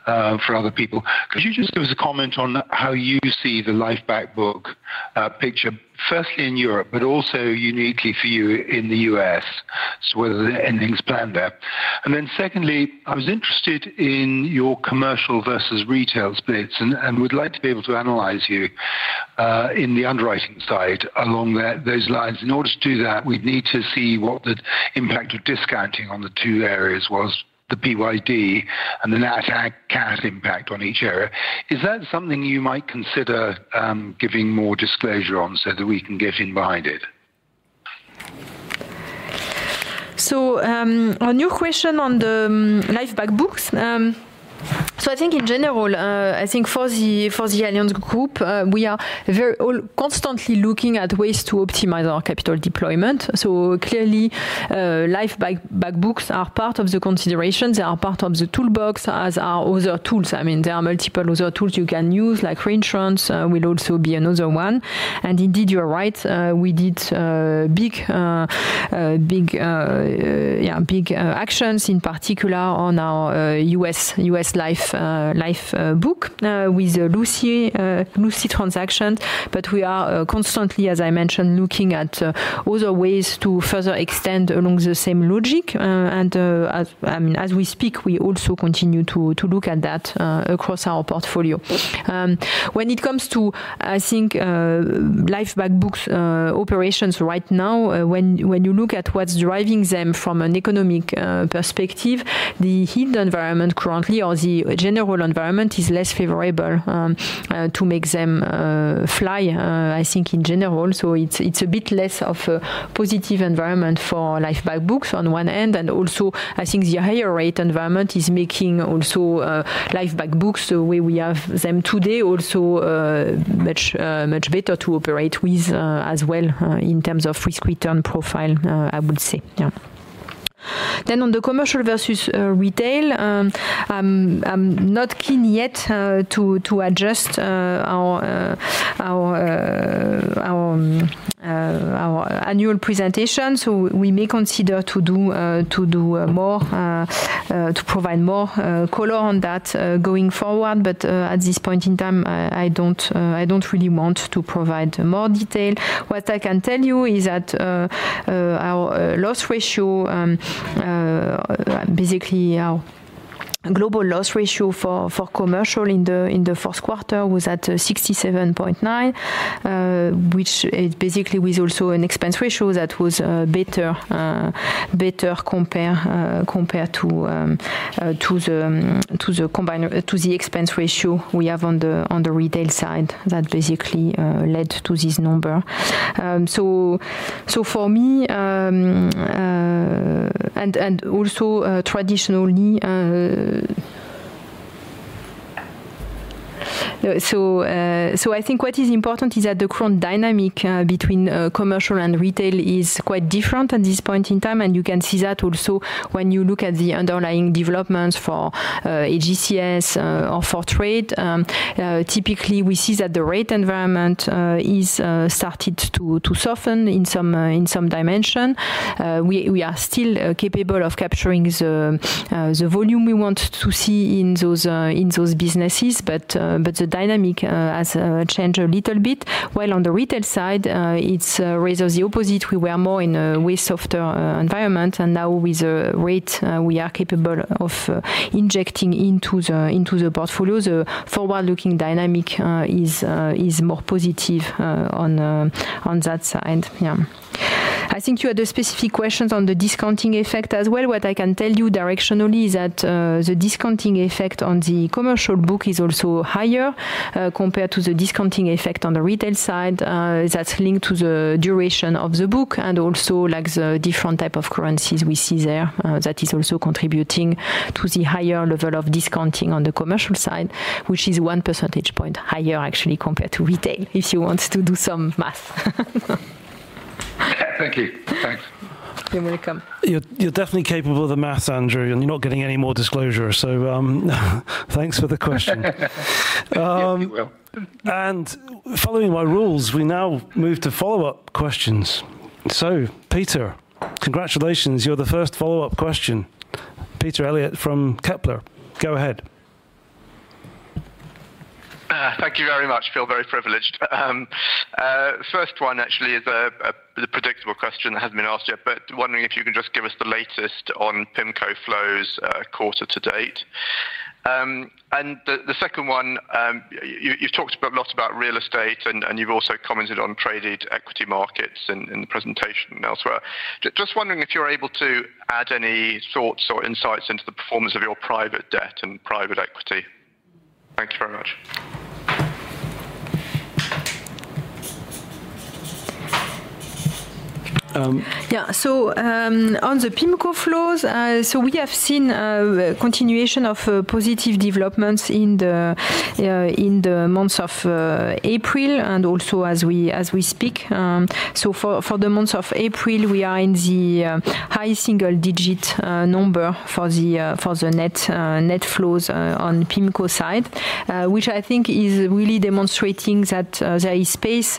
for other people. Could you just give us a comment on how you see the life back book picture, firstly, in Europe, but also uniquely for you in the U.S., so whether any deals are planned there? And then secondly, I was interested in your commercial versus retail splits and would like to be able to analyze you in the underwriting side along those lines. In order to do that, we'd need to see what the impact of discounting on the two areas was, the PYD and the NatCat impact on each area. Is that something you might consider giving more disclosure on so that we can get in behind it? So a new question on the life back books. So I think, in general, I think for the Allianz Group, we are constantly looking at ways to optimize our capital deployment. So clearly, life back books are part of the considerations. They are part of the toolbox as are other tools. I mean, there are multiple other tools you can use, like reinsurance will also be another one. And indeed, you're right. We did big actions, in particular, on our U.S. Life book with the legacy transaction. But we are constantly, as I mentioned, looking at other ways to further extend along the same logic. And as we speak, we also continue to look at that across our portfolio. When it comes to, I think, life back books operations right now, when you look at what's driving them from an economic perspective, the yield environment currently or the general environment is less favorable to make them fly, I think, in general. So it's a bit less of a positive environment for life back books on one end. And also, I think the higher rate environment is making also life back books, the way we have them today, also much better to operate with as well in terms of risk-return profile, I would say. Yeah. Then on the commercial versus retail, I'm not keen yet to adjust our annual presentation. So we may consider to do more, to provide more color on that going forward. But at this point in time, I don't really want to provide more detail. What I can tell you is that our loss ratio, basically our global loss ratio for commercial in the fourth quarter, was at 67.9%, which is basically also an expense ratio that was better compared to the expense ratio we have on the retail side that basically led to this number. So for me, and also traditionally, so I think what is important is that the current dynamic between commercial and retail is quite different at this point in time. And you can see that also when you look at the underlying developments for AGCS or for retail. Typically, we see that the rate environment has started to soften in some dimension. We are still capable of capturing the volume we want to see in those businesses. But the dynamic has changed a little bit. While on the retail side, rates are the opposite. We were more in a way softer environment. And now, with the rate, we are capable of injecting into the portfolio. The forward-looking dynamic is more positive on that side. Yeah, I think you had the specific questions on the discounting effect as well. What I can tell you directionally is that the discounting effect on the commercial book is also higher compared to the discounting effect on the retail side that's linked to the duration of the book and also the different types of currencies we see there that is also contributing to the higher level of discounting on the commercial side, which is 1 percentage point higher, actually, compared to retail, if you want to do some math. Thank you. Thanks. You're definitely capable of the math, Andrew. You're not getting any more disclosure. Thanks for the question. Thank you. Following my rules, we now move to follow-up questions. So Peter, congratulations. You're the first follow-up question. Peter Eliot from Kepler, go ahead. Thank you very much. Feel very privileged. First one, actually, is a predictable question that hasn't been asked yet. But wondering if you could just give us the latest on PIMCO flows quarter to date. And the second one, you've talked a lot about real estate. And you've also commented on traded equity markets in the presentation and elsewhere. Just wondering if you're able to add any thoughts or insights into the performance of your private debt and private equity. Thank you very much. Yeah, so on the PIMCO flows, so we have seen a continuation of positive developments in the months of April and also as we speak. So for the months of April, we are in the high single-digit number for the net flows on PIMCO side, which I think is really demonstrating that there is space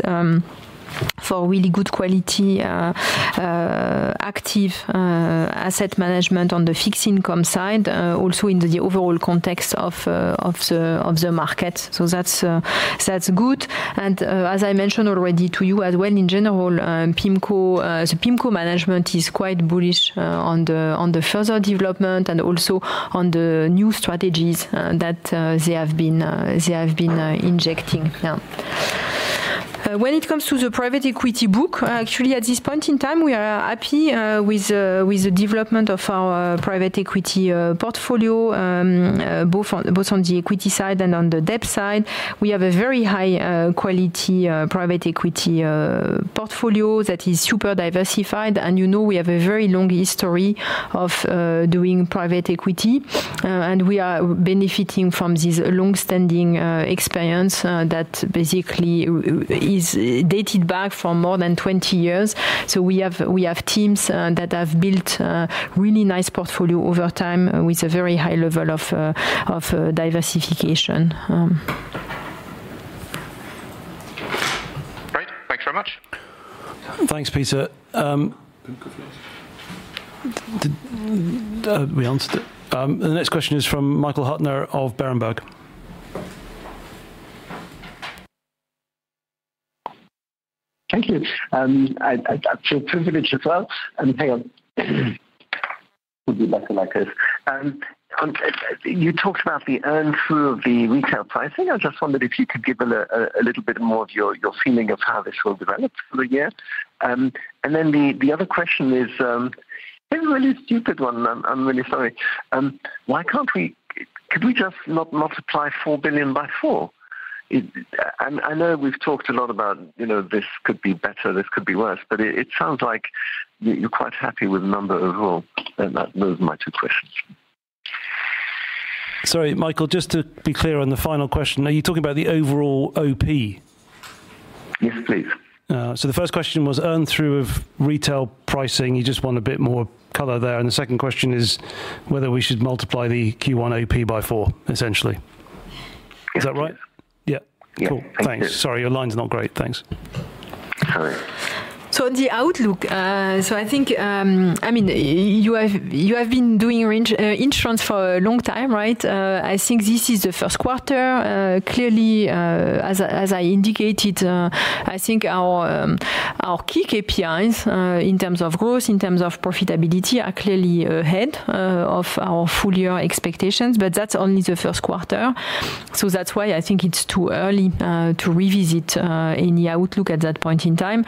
for really good quality active asset management on the fixed income side, also in the overall context of the market. So that's good. And as I mentioned already to you as well, in general, the PIMCO management is quite bullish on the further development and also on the new strategies that they have been injecting. Yeah, when it comes to the private equity book, actually, at this point in time, we are happy with the development of our private equity portfolio, both on the equity side and on the debt side. We have a very high-quality private equity portfolio that is super diversified. You know we have a very long history of doing private equity. We are benefiting from this longstanding experience that basically is dated back from more than 20 years. We have teams that have built really nice portfolios over time with a very high level of diversification. Great. Thanks very much. Thanks, Peter. We answered it. The next question is from Michael Huttner of Berenberg. Thank you. I feel privileged as well. And hang on. It would be better like this. You talked about the earn-through of the retail pricing. I just wondered if you could give a little bit more of your feeling of how this will develop for the year. And then the other question is a really stupid one. I'm really sorry. Could we just not apply $4 billion by $4? I know we've talked a lot about this could be better. This could be worse. But it sounds like you're quite happy with the number overall. And those are my two questions. Sorry, Michael, just to be clear on the final question. Are you talking about the overall OP? Yes, please. The first question was earn-through of retail pricing. You just want a bit more color there. The second question is whether we should multiply the Q1 OP by 4, essentially. Is that right? Yes. Yeah, cool. Thanks. Sorry, your line's not great. Thanks. Sorry. So on the outlook, so I think I mean, you have been doing insurance for a long time, right? I think this is the first quarter. Clearly, as I indicated, I think our key KPIs in terms of growth, in terms of profitability are clearly ahead of our full-year expectations. But that's only the first quarter. So that's why I think it's too early to revisit any outlook at that point in time.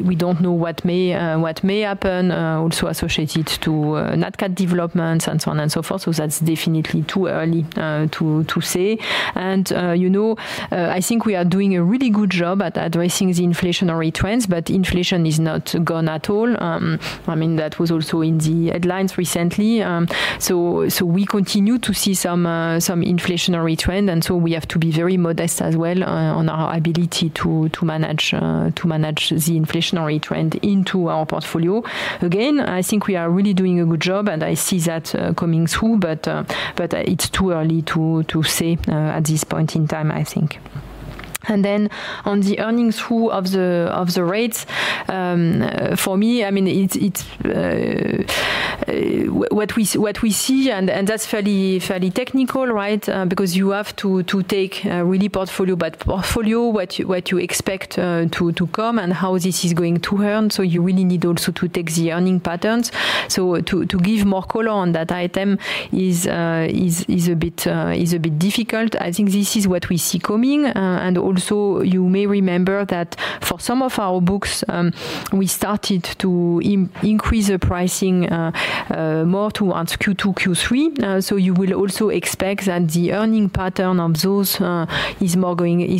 We don't know what may happen, also associated to NatCat developments and so on and so forth. So that's definitely too early to say. And you know I think we are doing a really good job at addressing the inflationary trends. But inflation is not gone at all. I mean, that was also in the headlines recently. So we continue to see some inflationary trend. So we have to be very modest as well on our ability to manage the inflationary trend into our portfolio. Again, I think we are really doing a good job. And I see that coming through. But it's too early to say at this point in time, I think. And then on the earnings through of the rates, for me, I mean, what we see and that's fairly technical, right? Because you have to take a really portfolio by portfolio what you expect to come and how this is going to earn. So you really need also to take the earning patterns. So to give more color on that item is a bit difficult. I think this is what we see coming. And also, you may remember that for some of our books, we started to increase the pricing more towards Q2, Q3. So you will also expect that the earnings pattern of those is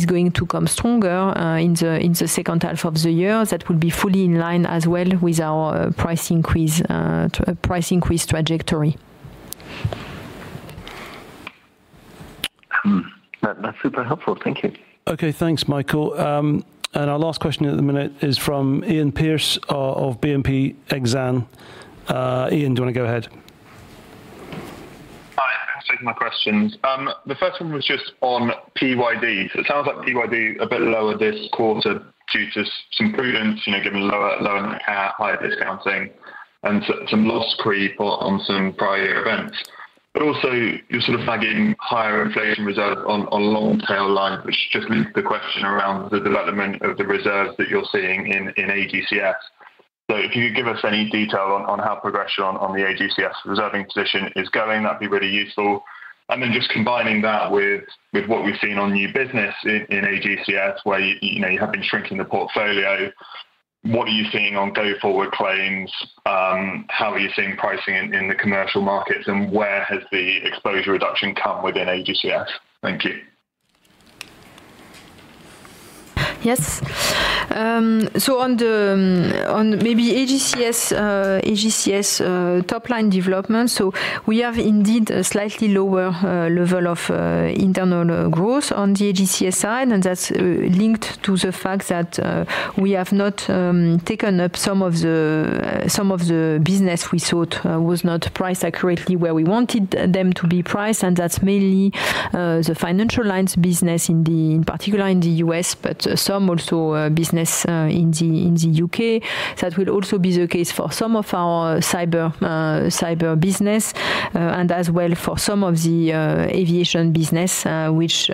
going to come stronger in the second half of the year. That will be fully in line as well with our price increase trajectory. That's super helpful. Thank you. OK, thanks, Michael. Our last question at the minute is from Iain Pearce of BNP Paribas Exane. Iain, do you want to go ahead? Hi. Thanks for taking my questions. The first one was just on PYD. So it sounds like PYD is a bit lower this quarter due to some prudence, given lower NatCat, higher discounting, and some loss creep on some prior year events. But also, you're sort of flagging higher inflation reserves on long-tail lines, which just leads to the question around the development of the reserves that you're seeing in AGCS. So if you could give us any detail on how progression on the AGCS reserving position is going, that'd be really useful. And then just combining that with what we've seen on new business in AGCS, where you have been shrinking the portfolio, what are you seeing on go-forward claims? How are you seeing pricing in the commercial markets? And where has the exposure reduction come within AGCS? Thank you. Yes. So on maybe AGCS top-line developments, so we have indeed a slightly lower level of internal growth on the AGCS side. And that's linked to the fact that we have not taken up some of the business we thought was not priced accurately where we wanted them to be priced. And that's mainly the financial lines business, in particular in the U.S., but some also business in the U.K. That will also be the case for some of our cyber business and as well for some of the aviation business, which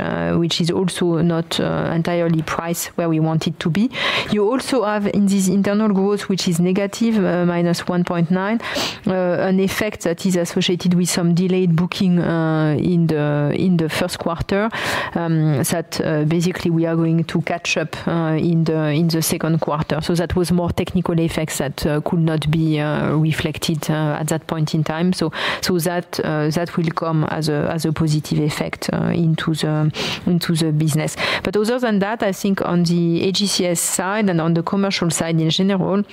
is also not entirely priced where we want it to be. You also have in this internal growth, which is negative, -1.9%, an effect that is associated with some delayed booking in the first quarter that basically we are going to catch up in the second quarter. So that was more technical effects that could not be reflected at that point in time. So that will come as a positive effect into the business. But other than that, I think on the AGCS side and on the commercial side in general,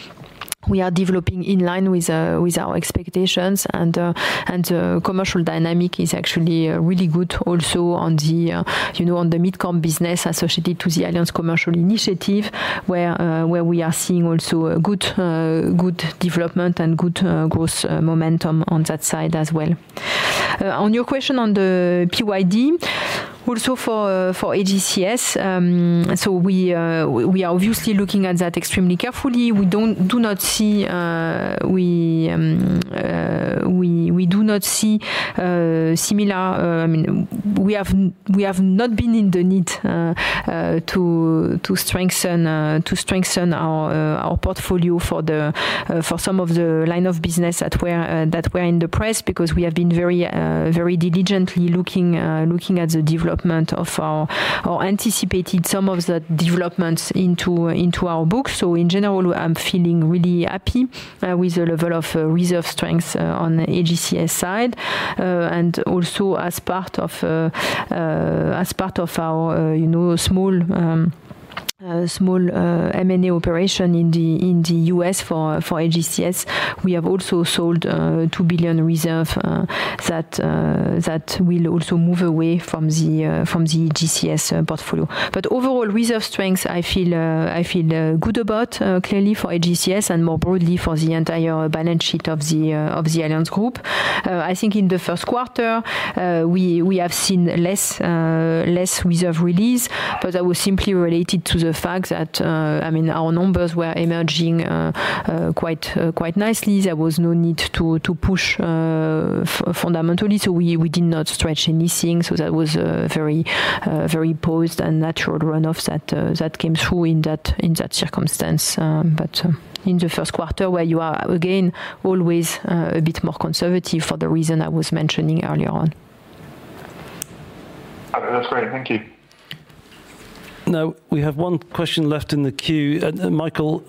we are developing in line with our expectations. And the commercial dynamic is actually really good also on the MidCorp business associated to the Allianz Commercial Initiative, where we are seeing also good development and good growth momentum on that side as well. On your question on the PYD, also for AGCS, so we are obviously looking at that extremely carefully. We do not see similar. I mean, we have not been in the need to strengthen our portfolio for some of the line of business that were in the press because we have been very diligently looking at the development of our anticipated some of that development into our books. So in general, I'm feeling really happy with the level of reserve strength on the AGCS side. And also, as part of our small M&A operation in the U.S. for AGCS, we have also sold $2 billion reserve that will also move away from the AGCS portfolio. But overall, reserve strength, I feel good about clearly for AGCS and more broadly for the entire balance sheet of the Allianz Group. I think in the first quarter, we have seen less reserve release. But that was simply related to the fact that our numbers were emerging quite nicely. There was no need to push fundamentally. So we did not stretch anything. So that was a very poised and natural runoff that came through in that circumstance. But in the first quarter, where you are again always a bit more conservative for the reason I was mentioning earlier on. That's great. Thank you. Now, we have one question left in the queue. Michael,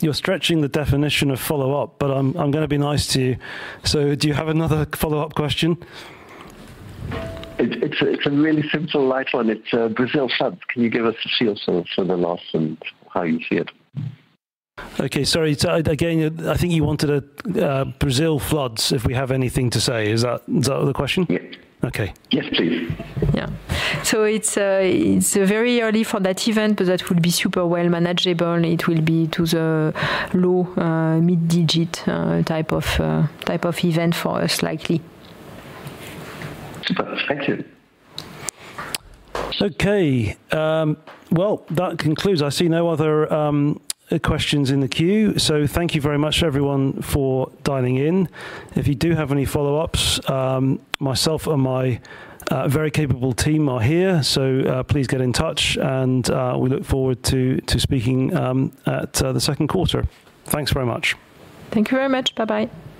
you're stretching the definition of follow-up. But I'm going to be nice to you. So do you have another follow-up question? It's a really simple, light one. It's Brazil floods. Can you give us a feel for the loss and how you see it? OK, sorry. Again, I think you wanted Brazil floods if we have anything to say. Is that the question? Yes. OK. Yes, please. Yeah. So it's very early for that event. But that will be super well manageable. It will be to the low mid-digit type of event for us likely. Super. Thank you. OK, well, that concludes. I see no other questions in the queue. Thank you very much, everyone, for dialing in. If you do have any follow-ups, myself and my very capable team are here. Please get in touch. We look forward to speaking at the second quarter. Thanks very much. Thank you very much. Bye-bye.